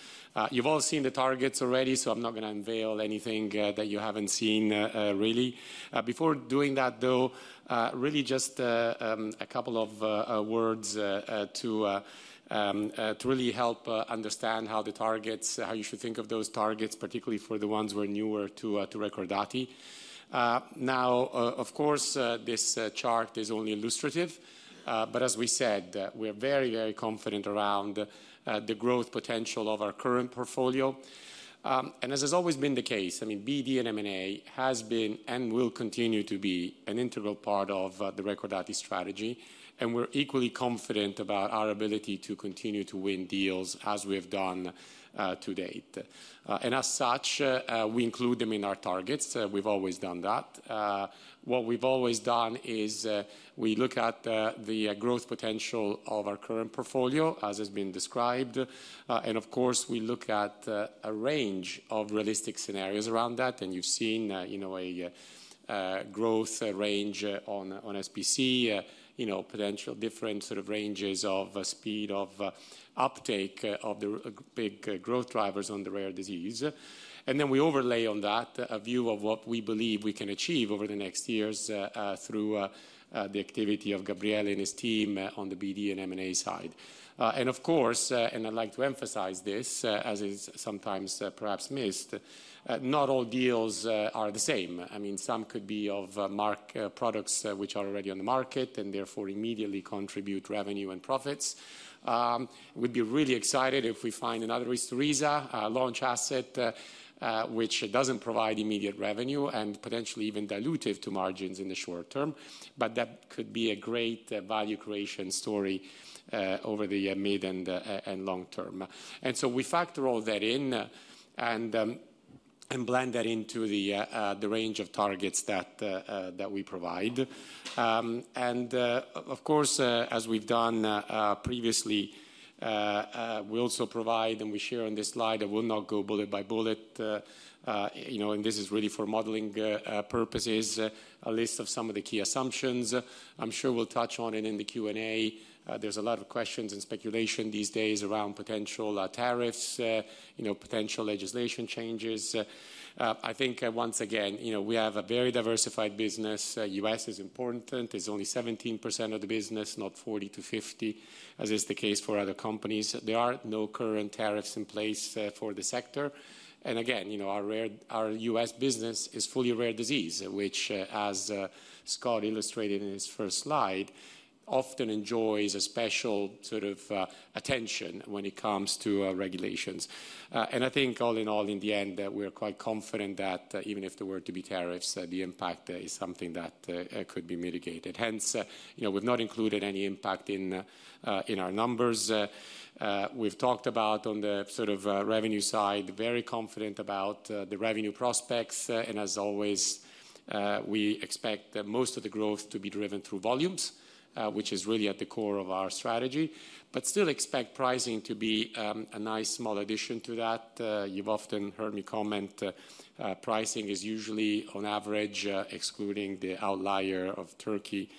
You've all seen the targets already, so I'm not going to unveil anything that you haven't seen really. Before doing that though, just a couple of words to really help understand how the targets, how you should think of those targets, particularly for the ones who are newer to Recordati. Of course, this chart is only illustrative, but as we said, we are very, very confident around the growth potential of our current portfolio. As has always been the case, I mean, BD and M&A has been and will continue to be an integral part of the Recordati strategy, and we're equally confident about our ability to continue to win deals as we have done to date. As such, we include them in our targets. We've always done that. What we've always done is we look at the growth potential of our current portfolio, as has been described, and of course, we look at a range of realistic scenarios around that. You've seen a growth range on SPC, potential different sort of ranges of speed of uptake of the big growth drivers on the rare disease. We overlay on that a view of what we believe we can achieve over the next years through the activity of Gabriele and his team on the BD and M&A side. Of course, and I'd like to emphasize this, as is sometimes perhaps missed, not all deals are the same. I mean, some could be of marked products which are already on the market and therefore immediately contribute revenue and profits. We'd be really excited if we find another ISTURISA launch asset, which doesn't provide immediate revenue and potentially even dilutive to margins in the short term, but that could be a great value creation story over the mid and long term. We factor all that in and blend that into the range of targets that we provide. Of course, as we've done previously, we also provide and we share on this slide. I will not go bullet by bullet, and this is really for modeling purposes, a list of some of the key assumptions. I'm sure we'll touch on it in the Q&A. There's a lot of questions and speculation these days around potential tariffs, potential legislation changes. I think once again, we have a very diversified business. U.S. is important. It's only 17% of the business, not 40-50%, as is the case for other companies. There are no current tariffs in place for the sector. Our U.S. business is fully rare disease, which, as Scott illustrated in his first slide, often enjoys a special sort of attention when it comes to regulations. I think all in all, in the end, we're quite confident that even if there were to be tariffs, the impact is something that could be mitigated. Hence, we've not included any impact in our numbers. We've talked about on the sort of revenue side, very confident about the revenue prospects, and as always, we expect most of the growth to be driven through volumes, which is really at the core of our strategy, but still expect pricing to be a nice small addition to that. You've often heard me comment pricing is usually on average, excluding the outlier of Turkey,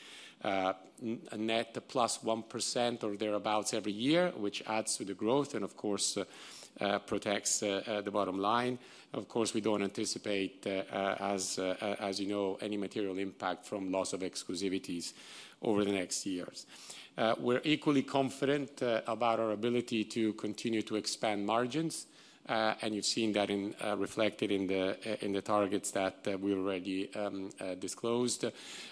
net plus 1% or thereabouts every year, which adds to the growth and of course protects the bottom line. Of course, we don't anticipate, as you know, any material impact from loss of exclusivities over the next years. We're equally confident about our ability to continue to expand margins, and you've seen that reflected in the targets that we already disclosed.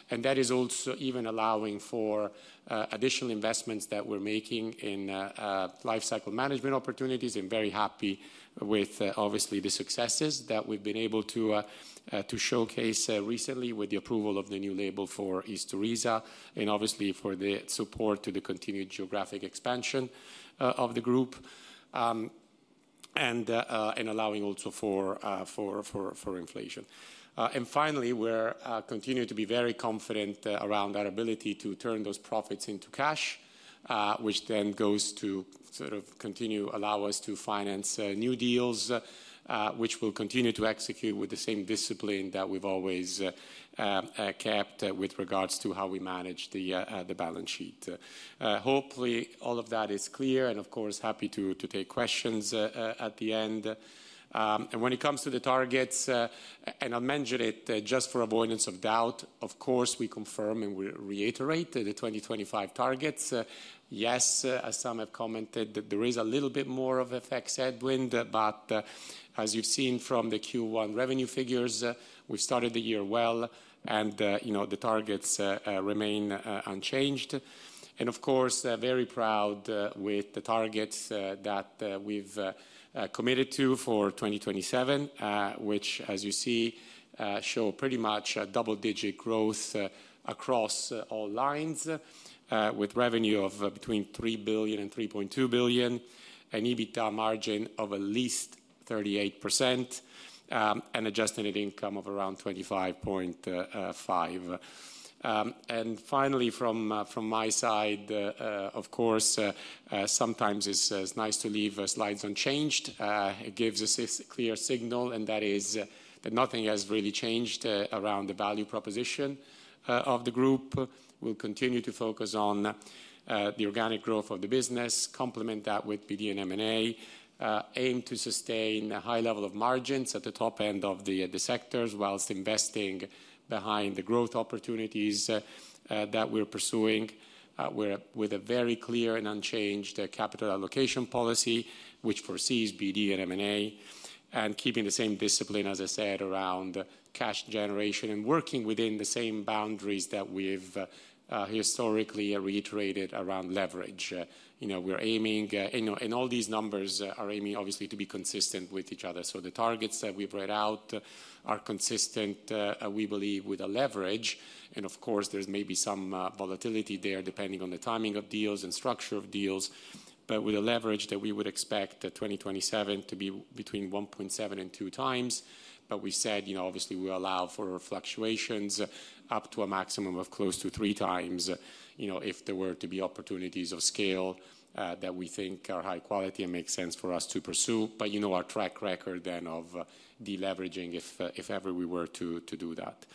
That is also even allowing for additional investments that we're making in lifecycle management opportunities. I'm very happy with obviously the successes that we've been able to showcase recently with the approval of the new label for ISTURISA and obviously for the support to the continued geographic expansion of the group and allowing also for inflation. Finally, we're continuing to be very confident around our ability to turn those profits into cash, which then goes to sort of continue allow us to finance new deals, which we'll continue to execute with the same discipline that we've always kept with regards to how we manage the balance sheet. Hopefully all of that is clear and of course happy to take questions at the end. When it comes to the targets, and I'll mention it just for avoidance of doubt, of course we confirm and we reiterate the 2025 targets. Yes, as some have commented, there is a little bit more of effect said wind, but as you've seen from the Q1 revenue figures, we've started the year well and the targets remain unchanged. Of course, very proud with the targets that we've committed to for 2027, which as you see show pretty much double-digit growth across all lines with revenue of between 3 billion and 3.2 billion, an EBITDA margin of at least 38% and adjusted income of around 25.5%. Finally, from my side, of course, sometimes it's nice to leave slides unchanged. It gives us a clear signal and that is that nothing has really changed around the value proposition of the group. We'll continue to focus on the organic growth of the business, complement that with BD and M&A, aim to sustain a high level of margins at the top end of the sectors whilst investing behind the growth opportunities that we're pursuing. We're with a very clear and unchanged capital allocation policy, which foresees BD and M&A and keeping the same discipline, as I said, around cash generation and working within the same boundaries that we've historically reiterated around leverage. We're aiming, and all these numbers are aiming obviously to be consistent with each other. The targets that we've read out are consistent, we believe, with a leverage. Of course, there's maybe some volatility there depending on the timing of deals and structure of deals, but with a leverage that we would expect 2027 to be between 1.7 and 2 times. We said, obviously, we allow for fluctuations up to a maximum of close to 3 times if there were to be opportunities of scale that we think are high quality and make sense for us to pursue. Our track record then of deleveraging if ever we were to do that.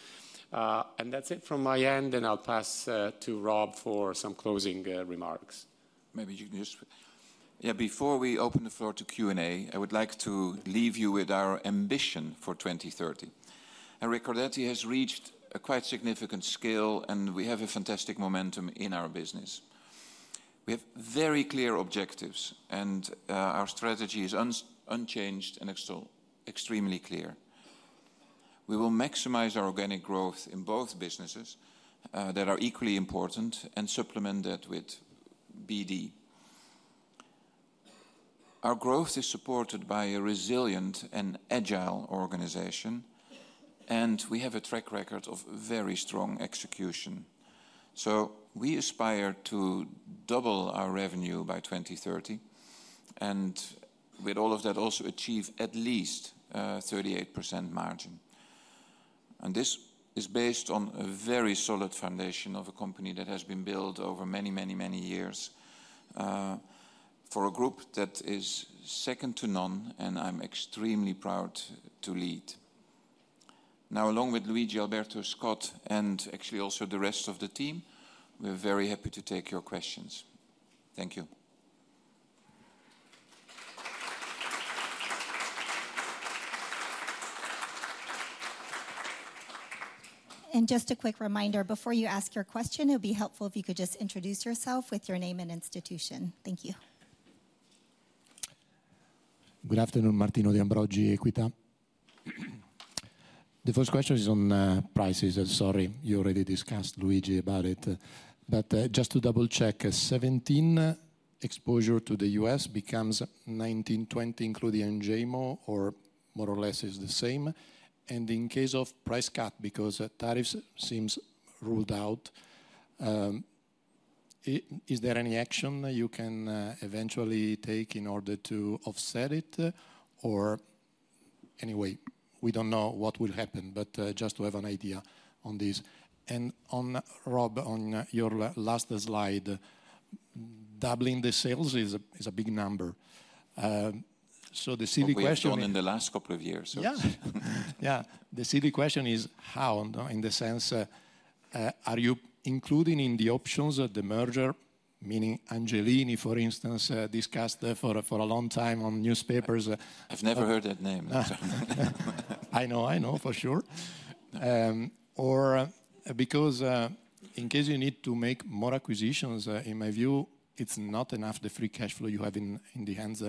That's it from my end, and I'll pass to Rob for some closing remarks. Maybe you can just. Yeah, before we open the floor to Q&A, I would like to leave you with our ambition for 2030. Recordati has reached a quite significant scale, and we have a fantastic momentum in our business. We have very clear objectives, and our strategy is unchanged and extremely clear. We will maximize our organic growth in both businesses that are equally important and supplement that with BD. Our growth is supported by a resilient and agile organization, and we have a track record of very strong execution. We aspire to double our revenue by 2030 and with all of that also achieve at least 38% margin. This is based on a very solid foundation of a company that has been built over many, many, many years for a group that is second to none, and I'm extremely proud to lead. Now, along with Luigi, Alberto, Scott, and actually also the rest of the team, we're very happy to take your questions. Thank you. Just a quick reminder, before you ask your question, it would be helpful if you could just introduce yourself with your name and institution. Thank you. Good afternoon. Martino De Ambroggi, EQUITA. The first question is on prices. Sorry, you already discussed, Luigi, about it. Just to double check, 17% exposure to the U.S. becomes 19%, 20% including Enjaymo or more or less is the same. In case of price cut, because tariffs seem ruled out, is there any action you can eventually take in order to offset it? Anyway, we do not know what will happen, just to have an idea on this. On Rob, on your last slide, doubling the sales is a big number. The silly question. Quick one in the last couple of years. Yeah. Yeah. The silly question is how, in the sense, are you including in the options of the merger, meaning Angelini, for instance, discussed for a long time on newspapers. I've never heard that name. I know, I know for sure. Because in case you need to make more acquisitions, in my view, it's not enough the free cash flow you have in the hands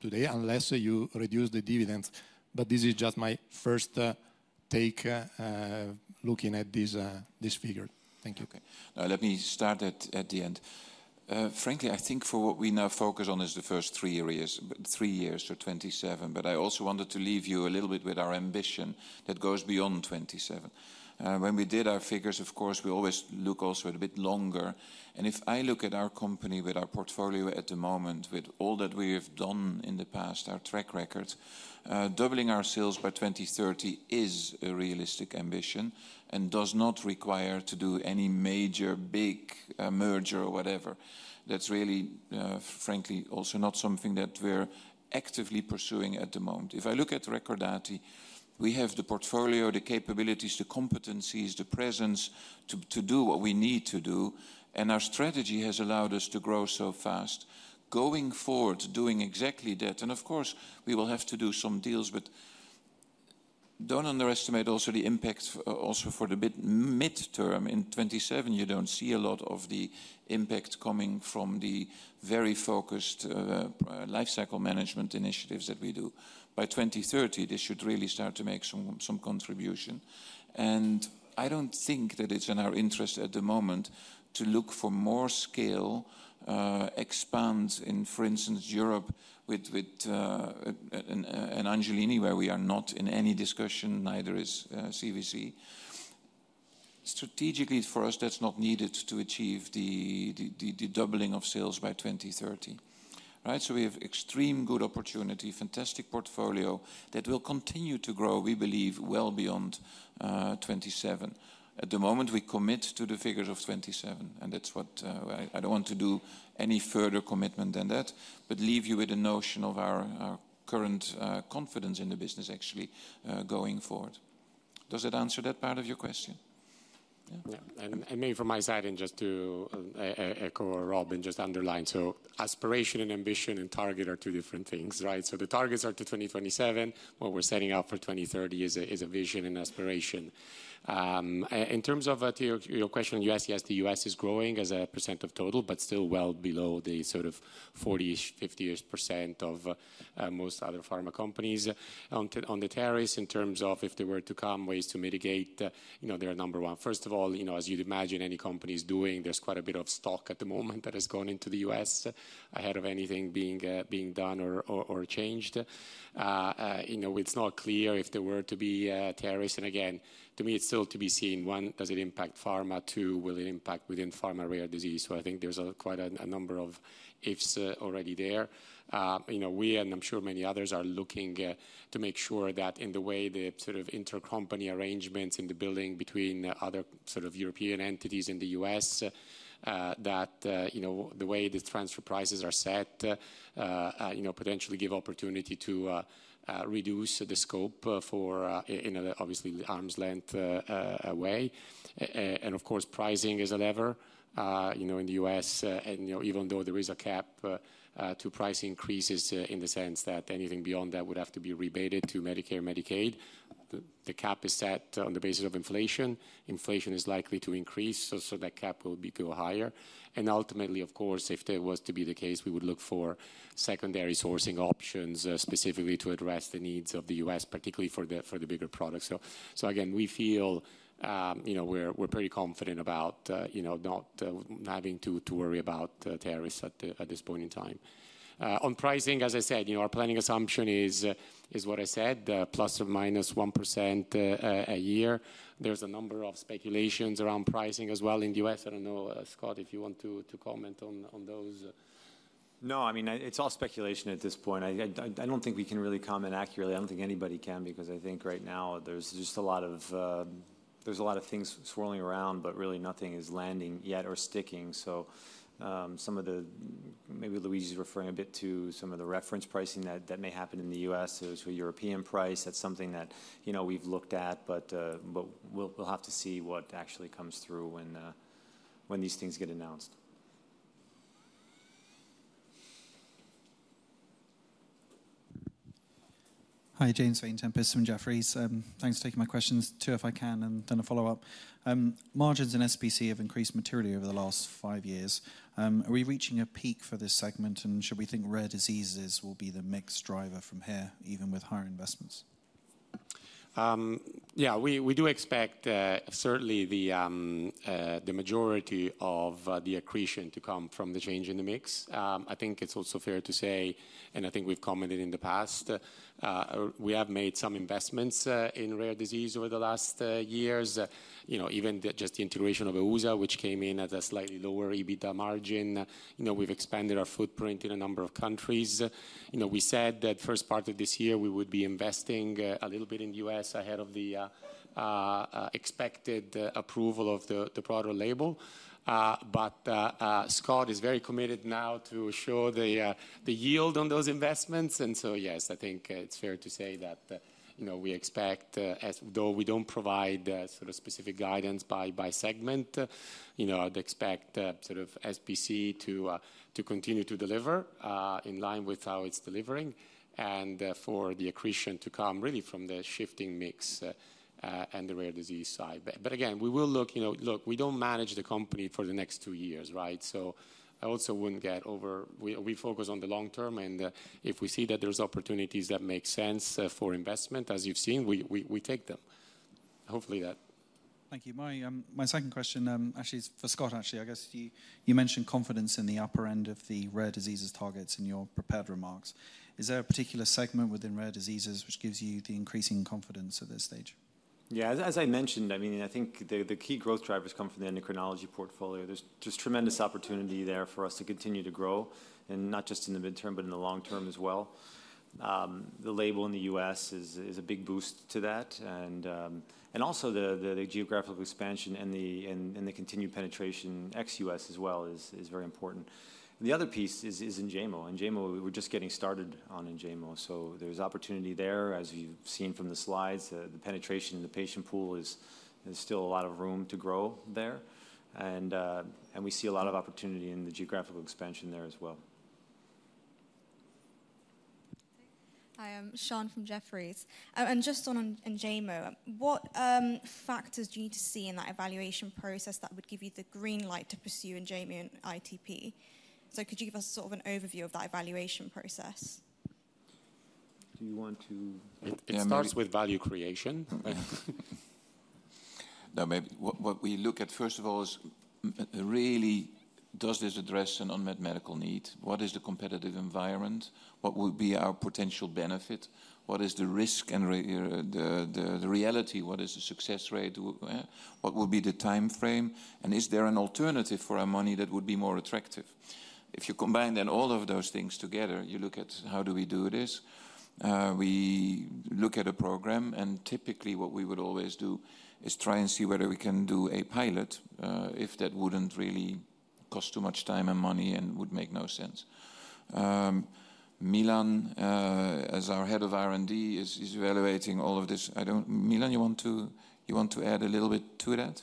today unless you reduce the dividends. This is just my first take looking at this figure. Thank you. Okay. Let me start at the end. Frankly, I think for what we now focus on is the first three years, so 2027. I also wanted to leave you a little bit with our ambition that goes beyond 2027. When we did our figures, of course, we always look also a bit longer. If I look at our company with our portfolio at the moment, with all that we have done in the past, our track record, doubling our sales by 2030 is a realistic ambition and does not require to do any major big merger or whatever. That's really, frankly, also not something that we're actively pursuing at the moment. If I look at Recordati, we have the portfolio, the capabilities, the competencies, the presence to do what we need to do, and our strategy has allowed us to grow so fast. Going forward, doing exactly that. Of course, we will have to do some deals, but do not underestimate also the impact for the midterm. In 2027, you do not see a lot of the impact coming from the very focused lifecycle management initiatives that we do. By 2030, this should really start to make some contribution. I do not think that it is in our interest at the moment to look for more scale, expand in, for instance, Europe with an Angelini where we are not in any discussion, neither is CVC. Strategically, for us, that is not needed to achieve the doubling of sales by 2030. Right? We have extreme good opportunity, fantastic portfolio that will continue to grow, we believe, well beyond 2027. At the moment, we commit to the figures of 2027, and that's what I don't want to do any further commitment than that, but leave you with a notion of our current confidence in the business actually going forward. Does that answer that part of your question? Yeah. Maybe from my side, and just to echo Rob and just underline, aspiration and ambition and target are two different things, right? The targets are to 2027. What we're setting up for 2030 is a vision and aspiration. In terms of your question, U.S., yes, the U.S. is growing as a percent of total, but still well below the sort of 40%-50% of most other pharma companies. On the tariffs, in terms of if they were to come, ways to mitigate, they're number one. First of all, as you'd imagine, any company is doing, there's quite a bit of stock at the moment that has gone into the U.S. ahead of anything being done or changed. It's not clear if there were to be tariffs. Again, to me, it's still to be seen. One, does it impact pharma? Two, will it impact within pharma rare disease? I think there's quite a number of ifs already there. We, and I'm sure many others, are looking to make sure that in the way the sort of intercompany arrangements in the building between other sort of European entities in the U.S., that the way the transfer prices are set potentially give opportunity to reduce the scope for obviously the arms-length way. Of course, pricing is a lever in the U.S. Even though there is a cap to price increases in the sense that anything beyond that would have to be rebated to Medicare, Medicaid, the cap is set on the basis of inflation. Inflation is likely to increase, so that cap will go higher. Ultimately, of course, if there was to be the case, we would look for secondary sourcing options specifically to address the needs of the U.S., particularly for the bigger products. Again, we feel we're pretty confident about not having to worry about tariffs at this point in time. On pricing, as I said, our planning assumption is what I said, ±1% a year. There's a number of speculations around pricing as well in the U.S. I don't know, Scott, if you want to comment on those. No, I mean, it's all speculation at this point. I don't think we can really comment accurately. I don't think anybody can because I think right now there's just a lot of things swirling around, but really nothing is landing yet or sticking. Some of the maybe Luigi's referring a bit to some of the reference pricing that may happen in the U.S., so European price, that's something that we've looked at, but we'll have to see what actually comes through when these things get announced. Hi, James Vane-Tempest from Jefferies. Thanks for taking my questions. Two if I can and then a follow-up. Margins in SPC have increased materially over the last five years. Are we reaching a peak for this segment, and should we think rare diseases will be the mixed driver from here, even with higher investments? Yeah, we do expect certainly the majority of the accretion to come from the change in the mix. I think it's also fair to say, and I think we've commented in the past, we have made some investments in rare disease over the last years, even just the integration of EUSA, which came in at a slightly lower EBITDA margin. We've expanded our footprint in a number of countries. We said that first part of this year we would be investing a little bit in the U.S. ahead of the expected approval of the broader label. Scott is very committed now to show the yield on those investments. Yes, I think it's fair to say that we expect, though we don't provide sort of specific guidance by segment, to expect sort of SPC to continue to deliver in line with how it's delivering and for the accretion to come really from the shifting mix and the rare disease side. Again, we will look, we don't manage the company for the next two years, right? I also wouldn't get over, we focus on the long term, and if we see that there's opportunities that make sense for investment, as you've seen, we take them. Hopefully that. Thank you. My second question actually is for Scott, actually. I guess you mentioned confidence in the upper end of the rare diseases targets in your prepared remarks. Is there a particular segment within rare diseases which gives you the increasing confidence at this stage? Yeah, as I mentioned, I mean, I think the key growth drivers come from the endocrinology portfolio. There's just tremendous opportunity there for us to continue to grow, and not just in the midterm, but in the long term as well. The label in the U.S. is a big boost to that. Also the geographical expansion and the continued penetration ex U.S. as well is very important. The other piece is Enjaymo. Enjaymo, we're just getting started on Enjaymo. There's opportunity there, as you've seen from the slides, the penetration in the patient pool is still a lot of room to grow there. We see a lot of opportunity in the geographical expansion there as well. Hi, I'm Sean from Jefferies. Just on Enjaymo, what factors do you need to see in that evaluation process that would give you the green light to pursue Enjaymo and ITP? Could you give us sort of an overview of that evaluation process? Do you want to? It starts with value creation. No, maybe what we look at first of all is really, does this address an unmet medical need? What is the competitive environment? What would be our potential benefit? What is the risk and the reality? What is the success rate? What would be the timeframe? And is there an alternative for our money that would be more attractive? If you combine then all of those things together, you look at how do we do this? We look at a program, and typically what we would always do is try and see whether we can do a pilot if that wouldn't really cost too much time and money and would make no sense. Milan, as our Head of R&D, is evaluating all of this. Milan, you want to add a little bit to that?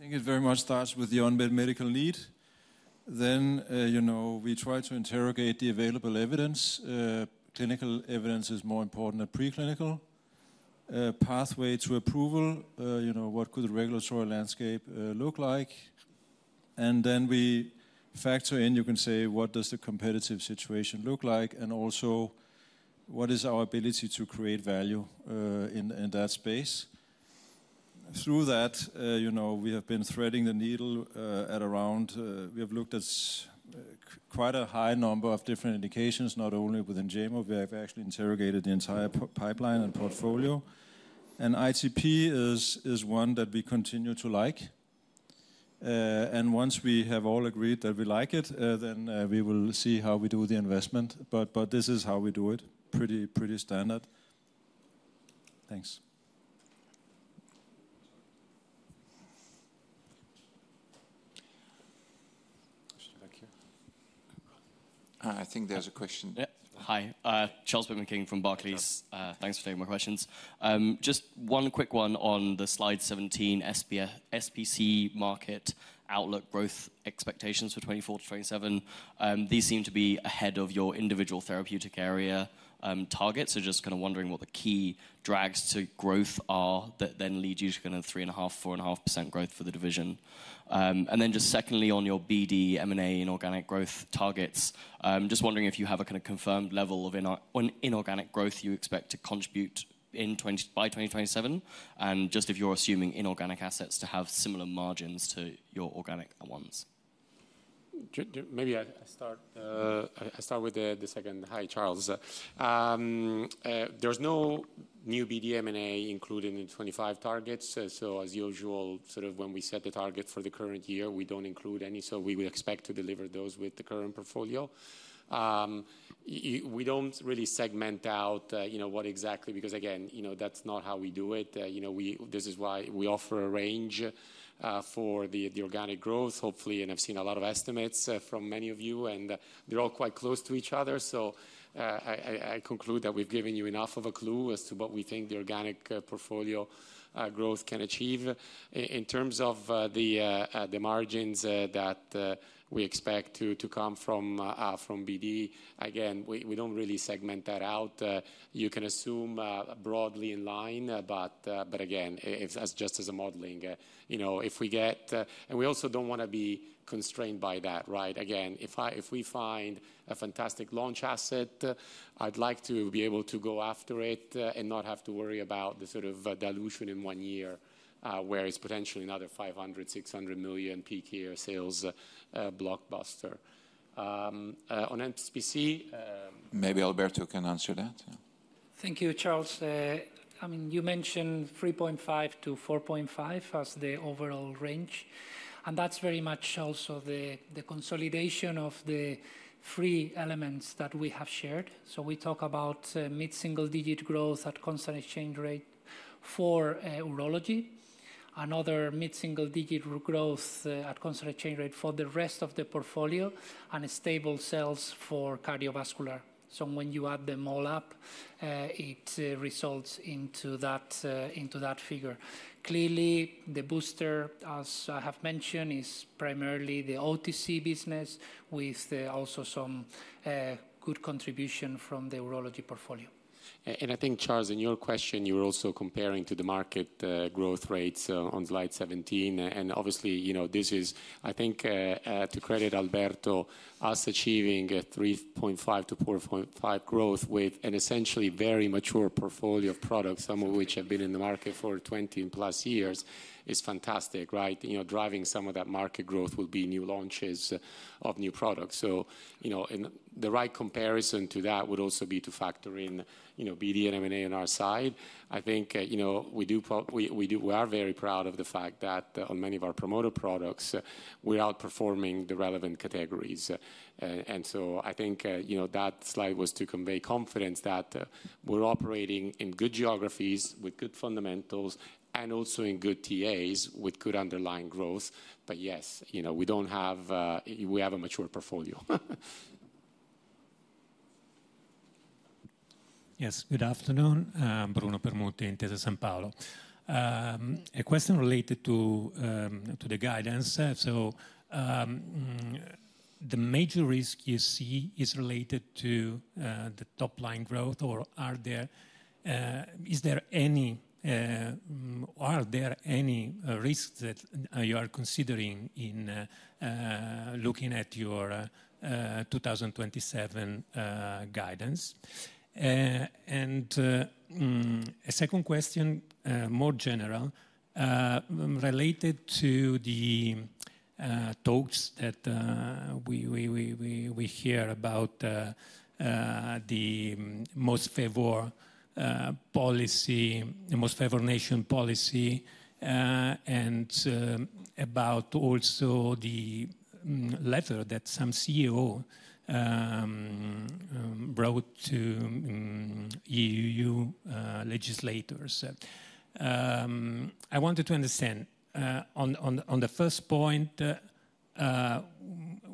No, I very much agree, Rob. I think it starts with the unmet medical need. Then we try to interrogate the available evidence. Clinical evidence is more important than preclinical. Pathway to approval, what could the regulatory landscape look like? Then we factor in, you can say, what does the competitive situation look like? Also, what is our ability to create value in that space? Through that, we have been threading the needle at around, we have looked at quite a high number of different indications, not only within Enjaymo. We have actually interrogated the entire pipeline and portfolio. ITP is one that we continue to like. Once we have all agreed that we like it, we will see how we do the investment. This is how we do it, pretty standard. Thanks. I think there's a question. Hi, Charles Pitman-King om Barclays from Barclays. Thanks for taking my questions. Just one quick one on the slide 17, SPC market outlook growth expectations for 2024 to 2027. These seem to be ahead of your individual therapeutic area targets. Just kind of wondering what the key drags to growth are that then lead you to kind of 3.5%-4.5% growth for the division. Just secondly on your BD, M&A and organic growth targets, just wondering if you have a kind of confirmed level of inorganic growth you expect to contribute by 2027? Just if you're assuming inorganic assets to have similar margins to your organic ones. Maybe I start with the second. Hi, Charles. There's no new BD, M&A included in 2025 targets. As usual, when we set the target for the current year, we don't include any. We would expect to deliver those with the current portfolio. We don't really segment out what exactly, because again, that's not how we do it. This is why we offer a range for the organic growth. Hopefully, and I've seen a lot of estimates from many of you, and they're all quite close to each other. I conclude that we've given you enough of a clue as to what we think the organic portfolio growth can achieve. In terms of the margins that we expect to come from BD, again, we don't really segment that out. You can assume broadly in line, but again, just as a modeling. If we get, and we also don't want to be constrained by that, right? Again, if we find a fantastic launch asset, I'd like to be able to go after it and not have to worry about the sort of dilution in one year where it's potentially another 500 million-600 million peak year sales blockbuster. On SPC. Maybe Alberto can answer that. Thank you, Charles. I mean, you mentioned 3.5%-4.5% as the overall range. That is very much also the consolidation of the three elements that we have shared. We talk about mid-single digit growth at constant exchange rate for urology, another mid-single digit growth at constant exchange rate for the rest of the portfolio, and stable sales for cardiovascular. When you add them all up, it results into that figure. Clearly, the booster, as I have mentioned, is primarily the OTC business with also some good contribution from the urology portfolio. I think, Charles, in your question, you were also comparing to the market growth rates on slide 17. Obviously, this is, I think, to credit Alberto, us achieving 3.5%-4.5% growth with an essentially very mature portfolio of products, some of which have been in the market for 20 plus years, is fantastic, right? Driving some of that market growth will be new launches of new products. The right comparison to that would also be to factor in BD and M&A on our side. I think we are very proud of the fact that on many of our promoter products, we're outperforming the relevant categories. I think that slide was to convey confidence that we're operating in good geographies with good fundamentals and also in good TAs with good underlying growth. Yes, we have a mature portfolio. Yes, good afternoon. Bruno Permutti, Intesa Sanpaolo. A question related to the guidance. Is the major risk you see related to the top line growth, or is there any risk that you are considering in looking at your 2027 guidance? A second question, more general, related to the talks that we hear about the most favored policy, the most favored nation policy, and also about the letter that some CEO wrote to EU legislators. I wanted to understand on the first point,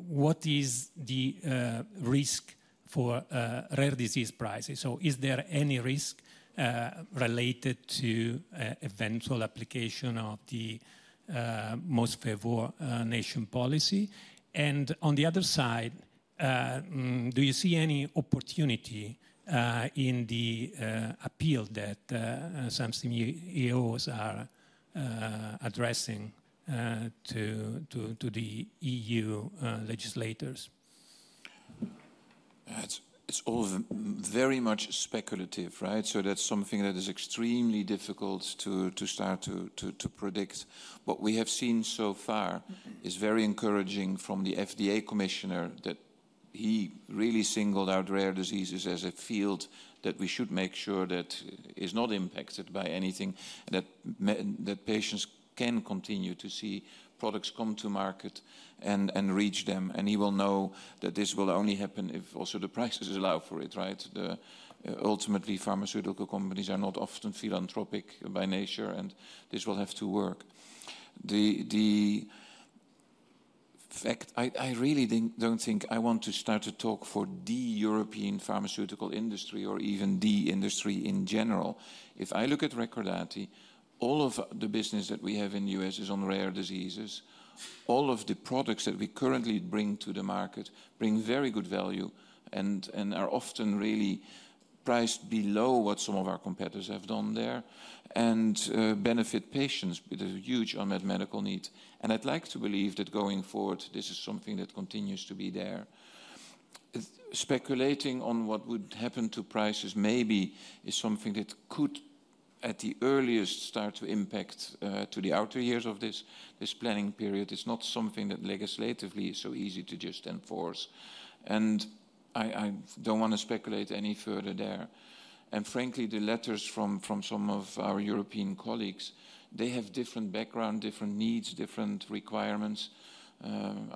what is the risk for rare disease prices? Is there any risk related to eventual application of the most favored nation policy? On the other side, do you see any opportunity in the appeal that some CEOs are addressing to the EU legislators? It's all very much speculative, right? That is something that is extremely difficult to start to predict. What we have seen so far is very encouraging from the FDA commissioner that he really singled out rare diseases as a field that we should make sure that is not impacted by anything, that patients can continue to see products come to market and reach them. He will know that this will only happen if also the prices allow for it, right? Ultimately, pharmaceutical companies are not often philanthropic by nature, and this will have to work. I really don't think I want to start a talk for the European pharmaceutical industry or even the industry in general. If I look at Recordati, all of the business that we have in the U.S. is on rare diseases. All of the products that we currently bring to the market bring very good value and are often really priced below what some of our competitors have done there and benefit patients with a huge unmet medical need. I'd like to believe that going forward, this is something that continues to be there. Speculating on what would happen to prices maybe is something that could, at the earliest, start to impact the outer years of this planning period. It's not something that legislatively is so easy to just enforce. I don't want to speculate any further there. Frankly, the letters from some of our European colleagues, they have different background, different needs, different requirements.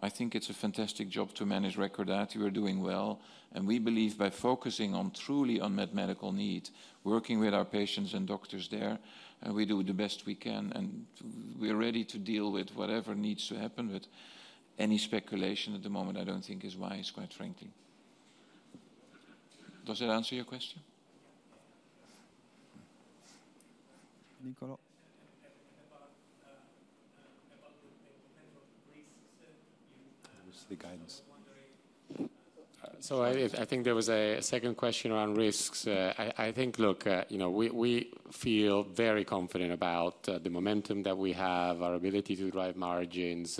I think it's a fantastic job to manage Recordati. We're doing well. We believe by focusing truly on unmet medical needs, working with our patients and doctors there, and we do the best we can. We are ready to deal with whatever needs to happen, but any speculation at the moment, I do not think is wise, quite frankly. Does that answer your question? Niccolo? I think there was a second question around risks. I think, look, we feel very confident about the momentum that we have, our ability to drive margins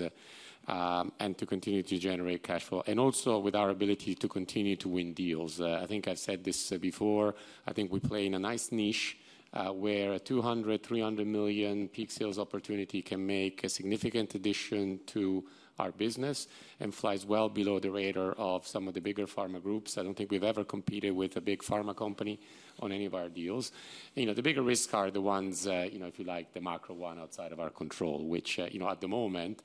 and to continue to generate cash flow, and also with our ability to continue to win deals. I think I've said this before. I think we play in a nice niche where a 200 million-300 million peak sales opportunity can make a significant addition to our business and flies well below the radar of some of the bigger pharma groups. I do not think we've ever competed with a big pharma company on any of our deals. The bigger risks are the ones, if you like, the macro one outside of our control, which at the moment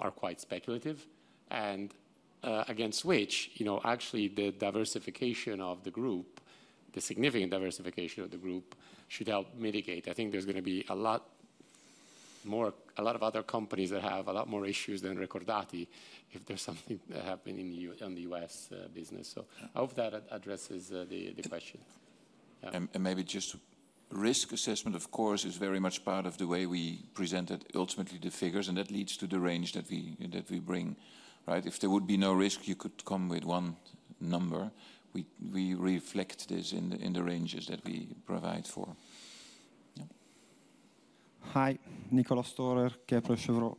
are quite speculative, and against which actually the diversification of the group, the significant diversification of the group should help mitigate. I think there's going to be a lot more, a lot of other companies that have a lot more issues than Recordati if there's something that happened in the U.S. business. I hope that addresses the question. Maybe just risk assessment, of course, is very much part of the way we presented ultimately the figures, and that leads to the range that we bring, right? If there would be no risk, you could come with one number. We reflect this in the ranges that we provide for. Hi. Niccolo Storer, Kepler Chevreux.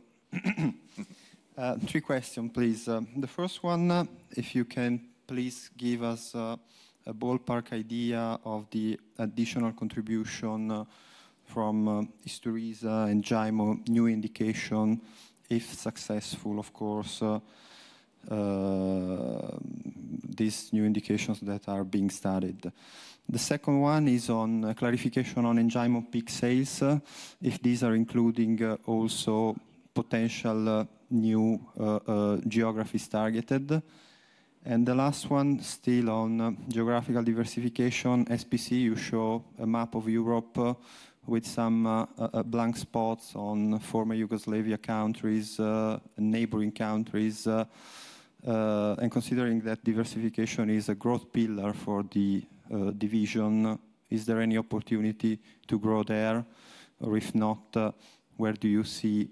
Three questions, please. The first one, if you can please give us a ballpark idea of the additional contribution from ISTURISA and Enjaymo, new indication, if successful, of course, these new indications that are being studied. The second one is on clarification on Enjaymo peak sales, if these are including also potential new geographies targeted. The last one, still on geographical diversification, SPC, you show a map of Europe with some blank spots on former Yugoslavia countries, neighboring countries. Considering that diversification is a growth pillar for the division, is there any opportunity to grow there? If not, where do you see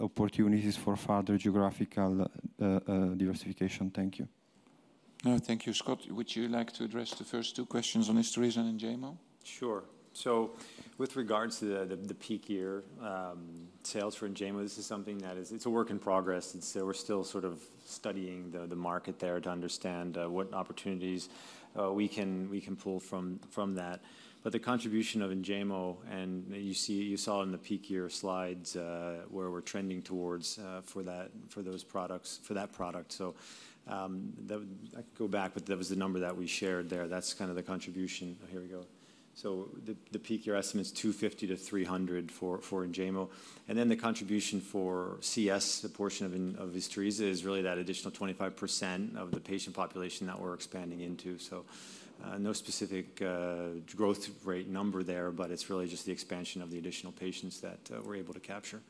opportunities for further geographical diversification? Thank you. Thank you, Scott. Would you like to address the first two questions on ISTURISA and Enjaymo? Sure. With regards to the peak year sales for Enjaymo, this is something that is a work in progress. We are still sort of studying the market there to understand what opportunities we can pull from that. The contribution of Enjaymo, and you saw it in the peak year slides, we are trending towards for that product. I go back, but that was the number that we shared there. That is kind of the contribution. Here we go. The peak year estimate is 250 million-300 million for Enjaymo. The contribution for CS, the portion of ISTURISA, is really that additional 25% of the patient population that we are expanding into. No specific growth rate number there, but it is really just the expansion of the additional patients that we are able to capture.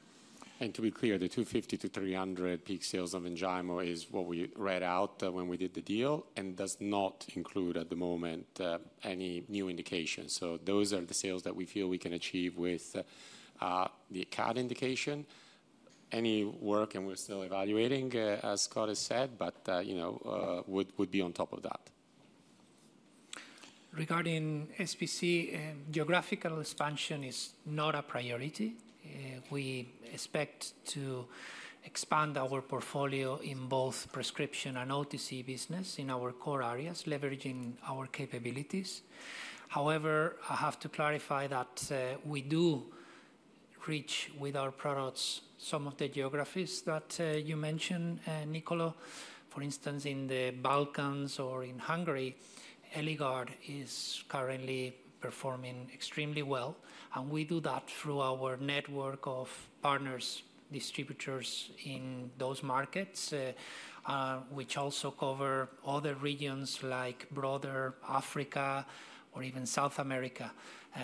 To be clear, the 250 million-300 million peak sales of Enjaymo is what we read out when we did the deal and does not include at the moment any new indication. Those are the sales that we feel we can achieve with the CAD indication. Any work, and we're still evaluating, as Scott has said, would be on top of that. Regarding SPC, geographical expansion is not a priority. We expect to expand our portfolio in both prescription and OTC business in our core areas, leveraging our capabilities. However, I have to clarify that we do reach with our products some of the geographies that you mentioned, Niccolo. For instance, in the Balkans or in Hungary, Eligard is currently performing extremely well. We do that through our network of partners, distributors in those markets, which also cover other regions like broader Africa or even South America.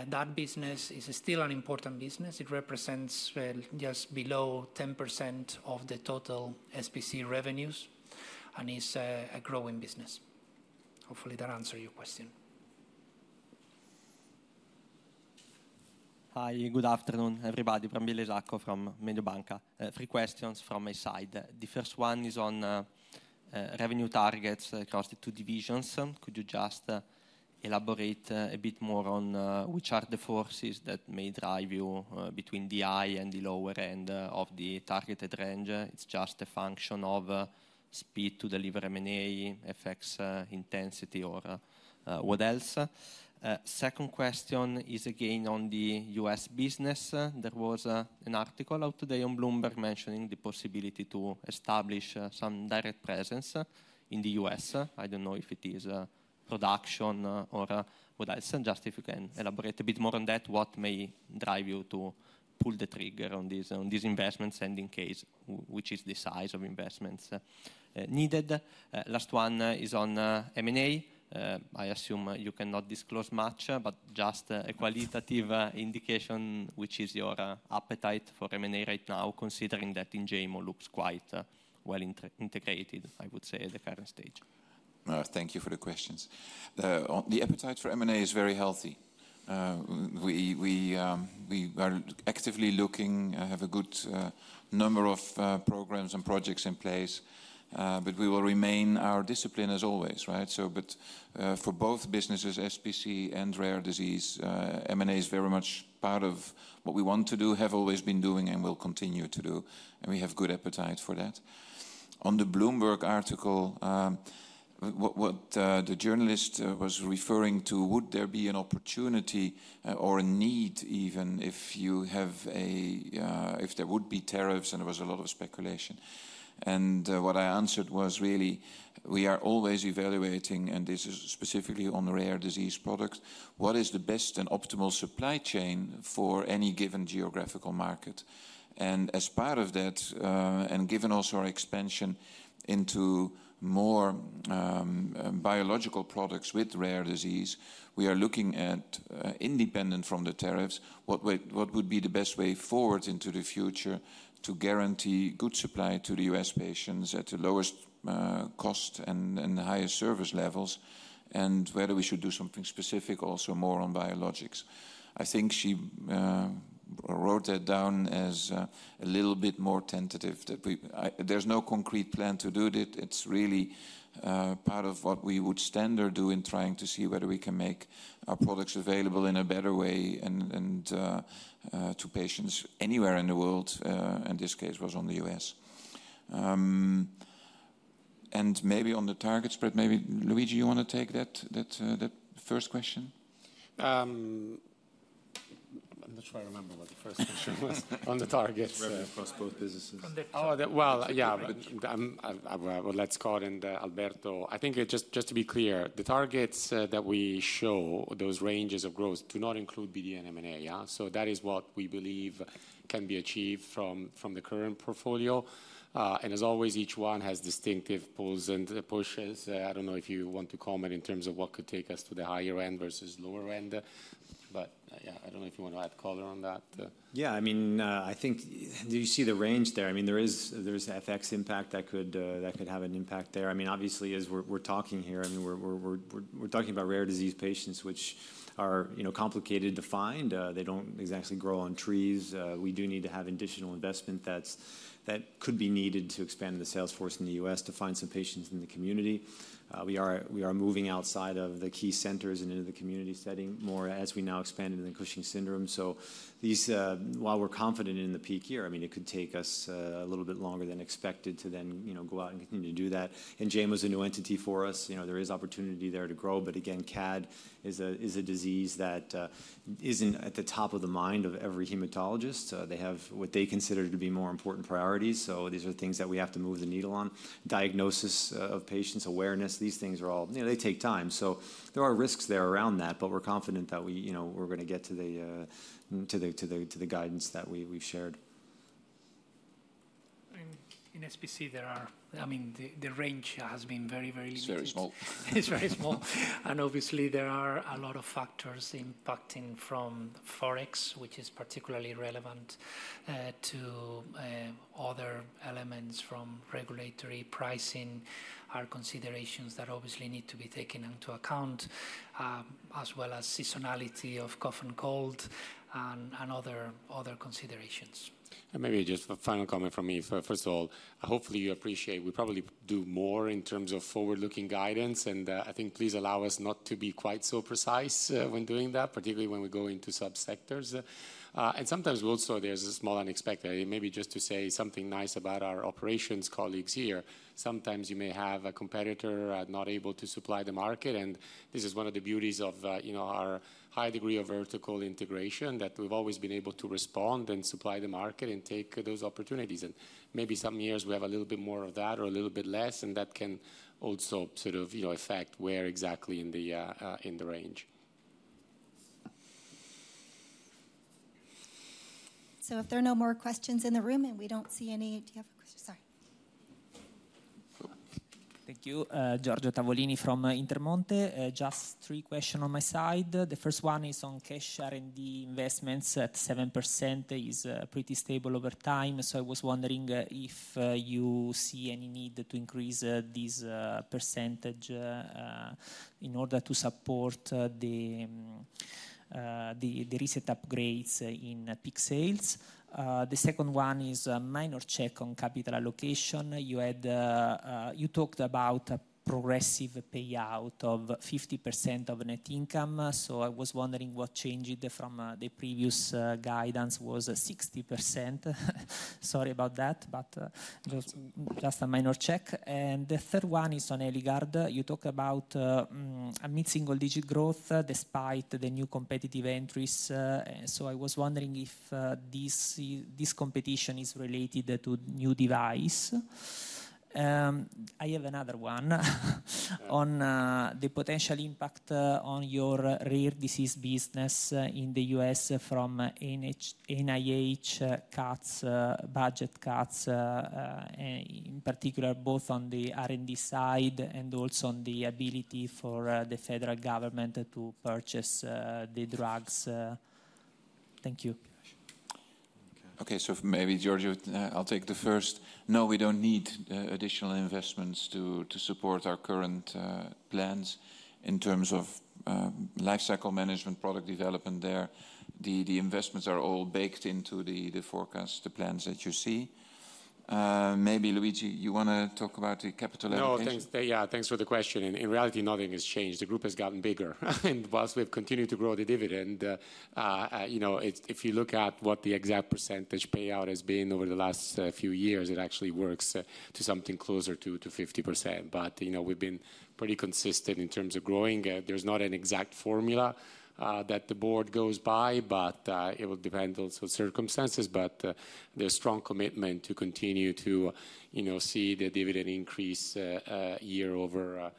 That business is still an important business. It represents just below 10% of the total SPC revenues and is a growing business. Hopefully, that answered your question. Hi, good afternoon, everybody. from Mediobanca. Three questions from my side. The first one is on revenue targets across the two divisions. Could you just elaborate a bit more on which are the forces that may drive you between the high and the lower end of the targeted range? It's just a function of speed to deliver M&A, FX intensity, or what else. Second question is again on the U.S. business. There was an article out today on Bloomberg mentioning the possibility to establish some direct presence in the U.S. I don't know if it is production or what else. Just if you can elaborate a bit more on that, what may drive you to pull the trigger on these investments and in case which is the size of investments needed. Last one is on M&A. I assume you cannot disclose much, but just a qualitative indication, which is your appetite for M&A right now, considering that Enjaymo looks quite well integrated, I would say, at the current stage. Thank you for the questions. The appetite for M&A is very healthy. We are actively looking, have a good number of programs and projects in place, but we will remain our discipline as always, right? For both businesses, SPC and rare disease, M&A is very much part of what we want to do, have always been doing, and will continue to do. We have good appetite for that. On the Bloomberg article, what the journalist was referring to, would there be an opportunity or a need even if there would be tariffs and there was a lot of speculation? What I answered was really, we are always evaluating, and this is specifically on the rare disease product, what is the best and optimal supply chain for any given geographical market? As part of that, and given also our expansion into more biological products with rare disease, we are looking at, independent from the tariffs, what would be the best way forward into the future to guarantee good supply to the U.S. patients at the lowest cost and the highest service levels, and whether we should do something specific also more on biologics. I think she wrote that down as a little bit more tentative that there's no concrete plan to do it. It's really part of what we would standard do in trying to see whether we can make our products available in a better way to patients anywhere in the world. In this case, it was on the U.S. Maybe on the target spread, maybe Luigi, you want to take that first question? I'm not sure I remember what the first question was on the targets. Rather across both businesses. Let's call in Alberto. I think just to be clear, the targets that we show, those ranges of growth, do not include BD and M&A. That is what we believe can be achieved from the current portfolio. As always, each one has distinctive pulls and pushes. I do not know if you want to comment in terms of what could take us to the higher end versus lower end, but I do not know if you want to add color on that. Yeah, I mean, I think do you see the range there? I mean, there is FX impact that could have an impact there. I mean, obviously, as we're talking here, I mean, we're talking about rare disease patients, which are complicated to find. They don't exactly grow on trees. We do need to have additional investment that could be needed to expand the sales force in the U.S. to find some patients in the community. We are moving outside of the key centers and into the community setting more as we now expand into the Cushing's syndrome. While we're confident in the peak year, I mean, it could take us a little bit longer than expected to then go out and continue to do that. Enjaymo is a new entity for us. There is opportunity there to grow. CAD is a disease that isn't at the top of the mind of every hematologist. They have what they consider to be more important priorities. These are things that we have to move the needle on. Diagnosis of patients, awareness, these things are all, they take time. There are risks there around that, but we're confident that we're going to get to the guidance that we've shared. In SPC, there are, I mean, the range has been very, very limited. Very small. It's very small. Obviously, there are a lot of factors impacting from Forex, which is particularly relevant to other elements from regulatory pricing, are considerations that obviously need to be taken into account, as well as seasonality of cough and cold and other considerations. Maybe just a final comment from me. First of all, hopefully you appreciate we probably do more in terms of forward-looking guidance. I think please allow us not to be quite so precise when doing that, particularly when we go into subsectors. Sometimes also there is a small unexpected. Maybe just to say something nice about our operations colleagues here. Sometimes you may have a competitor not able to supply the market. This is one of the beauties of our high degree of vertical integration that we have always been able to respond and supply the market and take those opportunities. Maybe some years we have a little bit more of that or a little bit less, and that can also sort of affect where exactly in the range. If there are no more questions in the room and we do not see any, do you have a question? Sorry. Thank you. Giorgio Tavolini from Intermonte. Just three questions on my side. The first one is on cash R&D investments at 7% is pretty stable over time. I was wondering if you see any need to increase this percentage in order to support the reset upgrades in peak sales. The second one is a minor check on capital allocation. You talked about a progressive payout of 50% of net income. I was wondering what changed from the previous guidance was 60%. Sorry about that, but just a minor check. The third one is on Eligard. You talk about a mid-single digit growth despite the new competitive entries. I was wondering if this competition is related to new device. I have another one on the potential impact on your rare disease business in the U.S. from NIH cuts, budget cuts, in particular both on the R&D side and also on the ability for the federal government to purchase the drugs. Thank you. Okay, maybe Giorgio, I'll take the first. No, we don't need additional investments to support our current plans in terms of lifecycle management, product development there. The investments are all baked into the forecast, the plans that you see. Maybe Luigi, you want to talk about the capital allocation? No, thanks for the question. In reality, nothing has changed. The group has gotten bigger. Whilst we've continued to grow the dividend, if you look at what the exact percentage payout has been over the last few years, it actually works to something closer to 50%. We've been pretty consistent in terms of growing. There's not an exact formula that the board goes by, it will depend on some circumstances. There's strong commitment to continue to see the dividend increase year-over-year.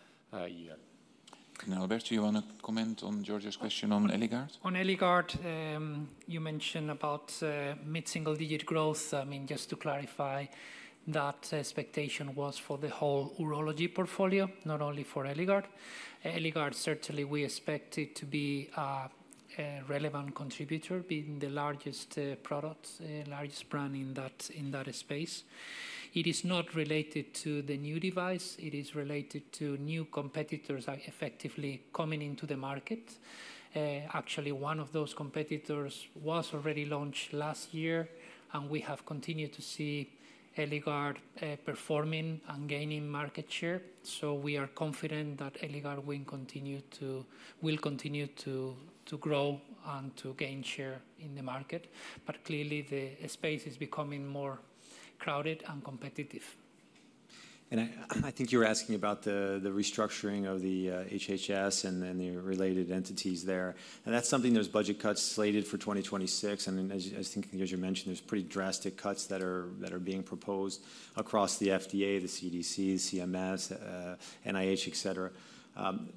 Albert, do you want to comment on Giorgio's question on Eligard? On Eligard, you mentioned about mid-single digit growth. I mean, just to clarify, that expectation was for the whole urology portfolio, not only for Eligard. Eligard, certainly we expect it to be a relevant contributor, being the largest product, largest brand in that space. It is not related to the new device. It is related to new competitors effectively coming into the market. Actually, one of those competitors was already launched last year, and we have continued to see Eligard performing and gaining market share. We are confident that Eligard will continue to grow and to gain share in the market. Clearly, the space is becoming more crowded and competitive. I think you were asking about the restructuring of the HHS and the related entities there. That is something where there are budget cuts slated for 2026. I think, as you mentioned, there are pretty drastic cuts that are being proposed across the FDA, the CDC, CMS, NIH, etc.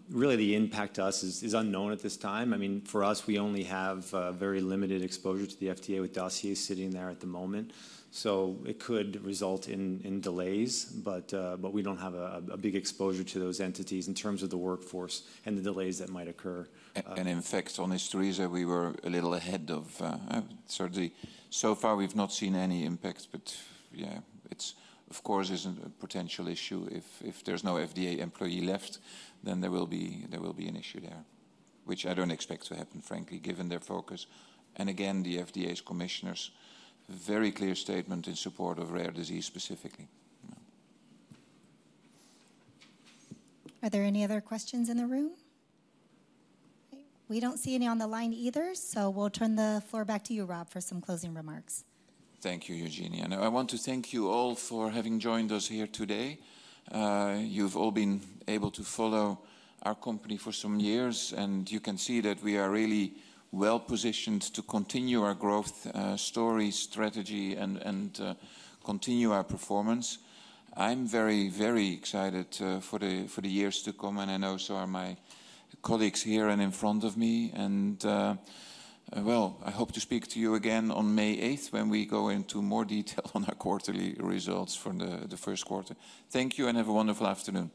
Really, the impact to us is unknown at this time. I mean, for us, we only have very limited exposure to the FDA with dossiers sitting there at the moment. It could result in delays, but we do not have a big exposure to those entities in terms of the workforce and the delays that might occur. An impact on ISTURISA, we were a little ahead of surgery. So far, we've not seen any impact, but yeah, it is, of course, a potential issue. If there's no FDA employee left, then there will be an issue there, which I don't expect to happen, frankly, given their focus. Again, the FDA's commissioner’s very clear statement in support of rare disease specifically. Are there any other questions in the room? We do not see any on the line either, so we will turn the floor back to you, Rob, for some closing remarks. Thank you, Eugenia. I want to thank you all for having joined us here today. You've all been able to follow our company for some years, and you can see that we are really well positioned to continue our growth story, strategy, and continue our performance. I'm very, very excited for the years to come, and I know so are my colleagues here and in front of me. I hope to speak to you again on May 8th when we go into more detail on our quarterly results for the first quarter. Thank you and have a wonderful afternoon.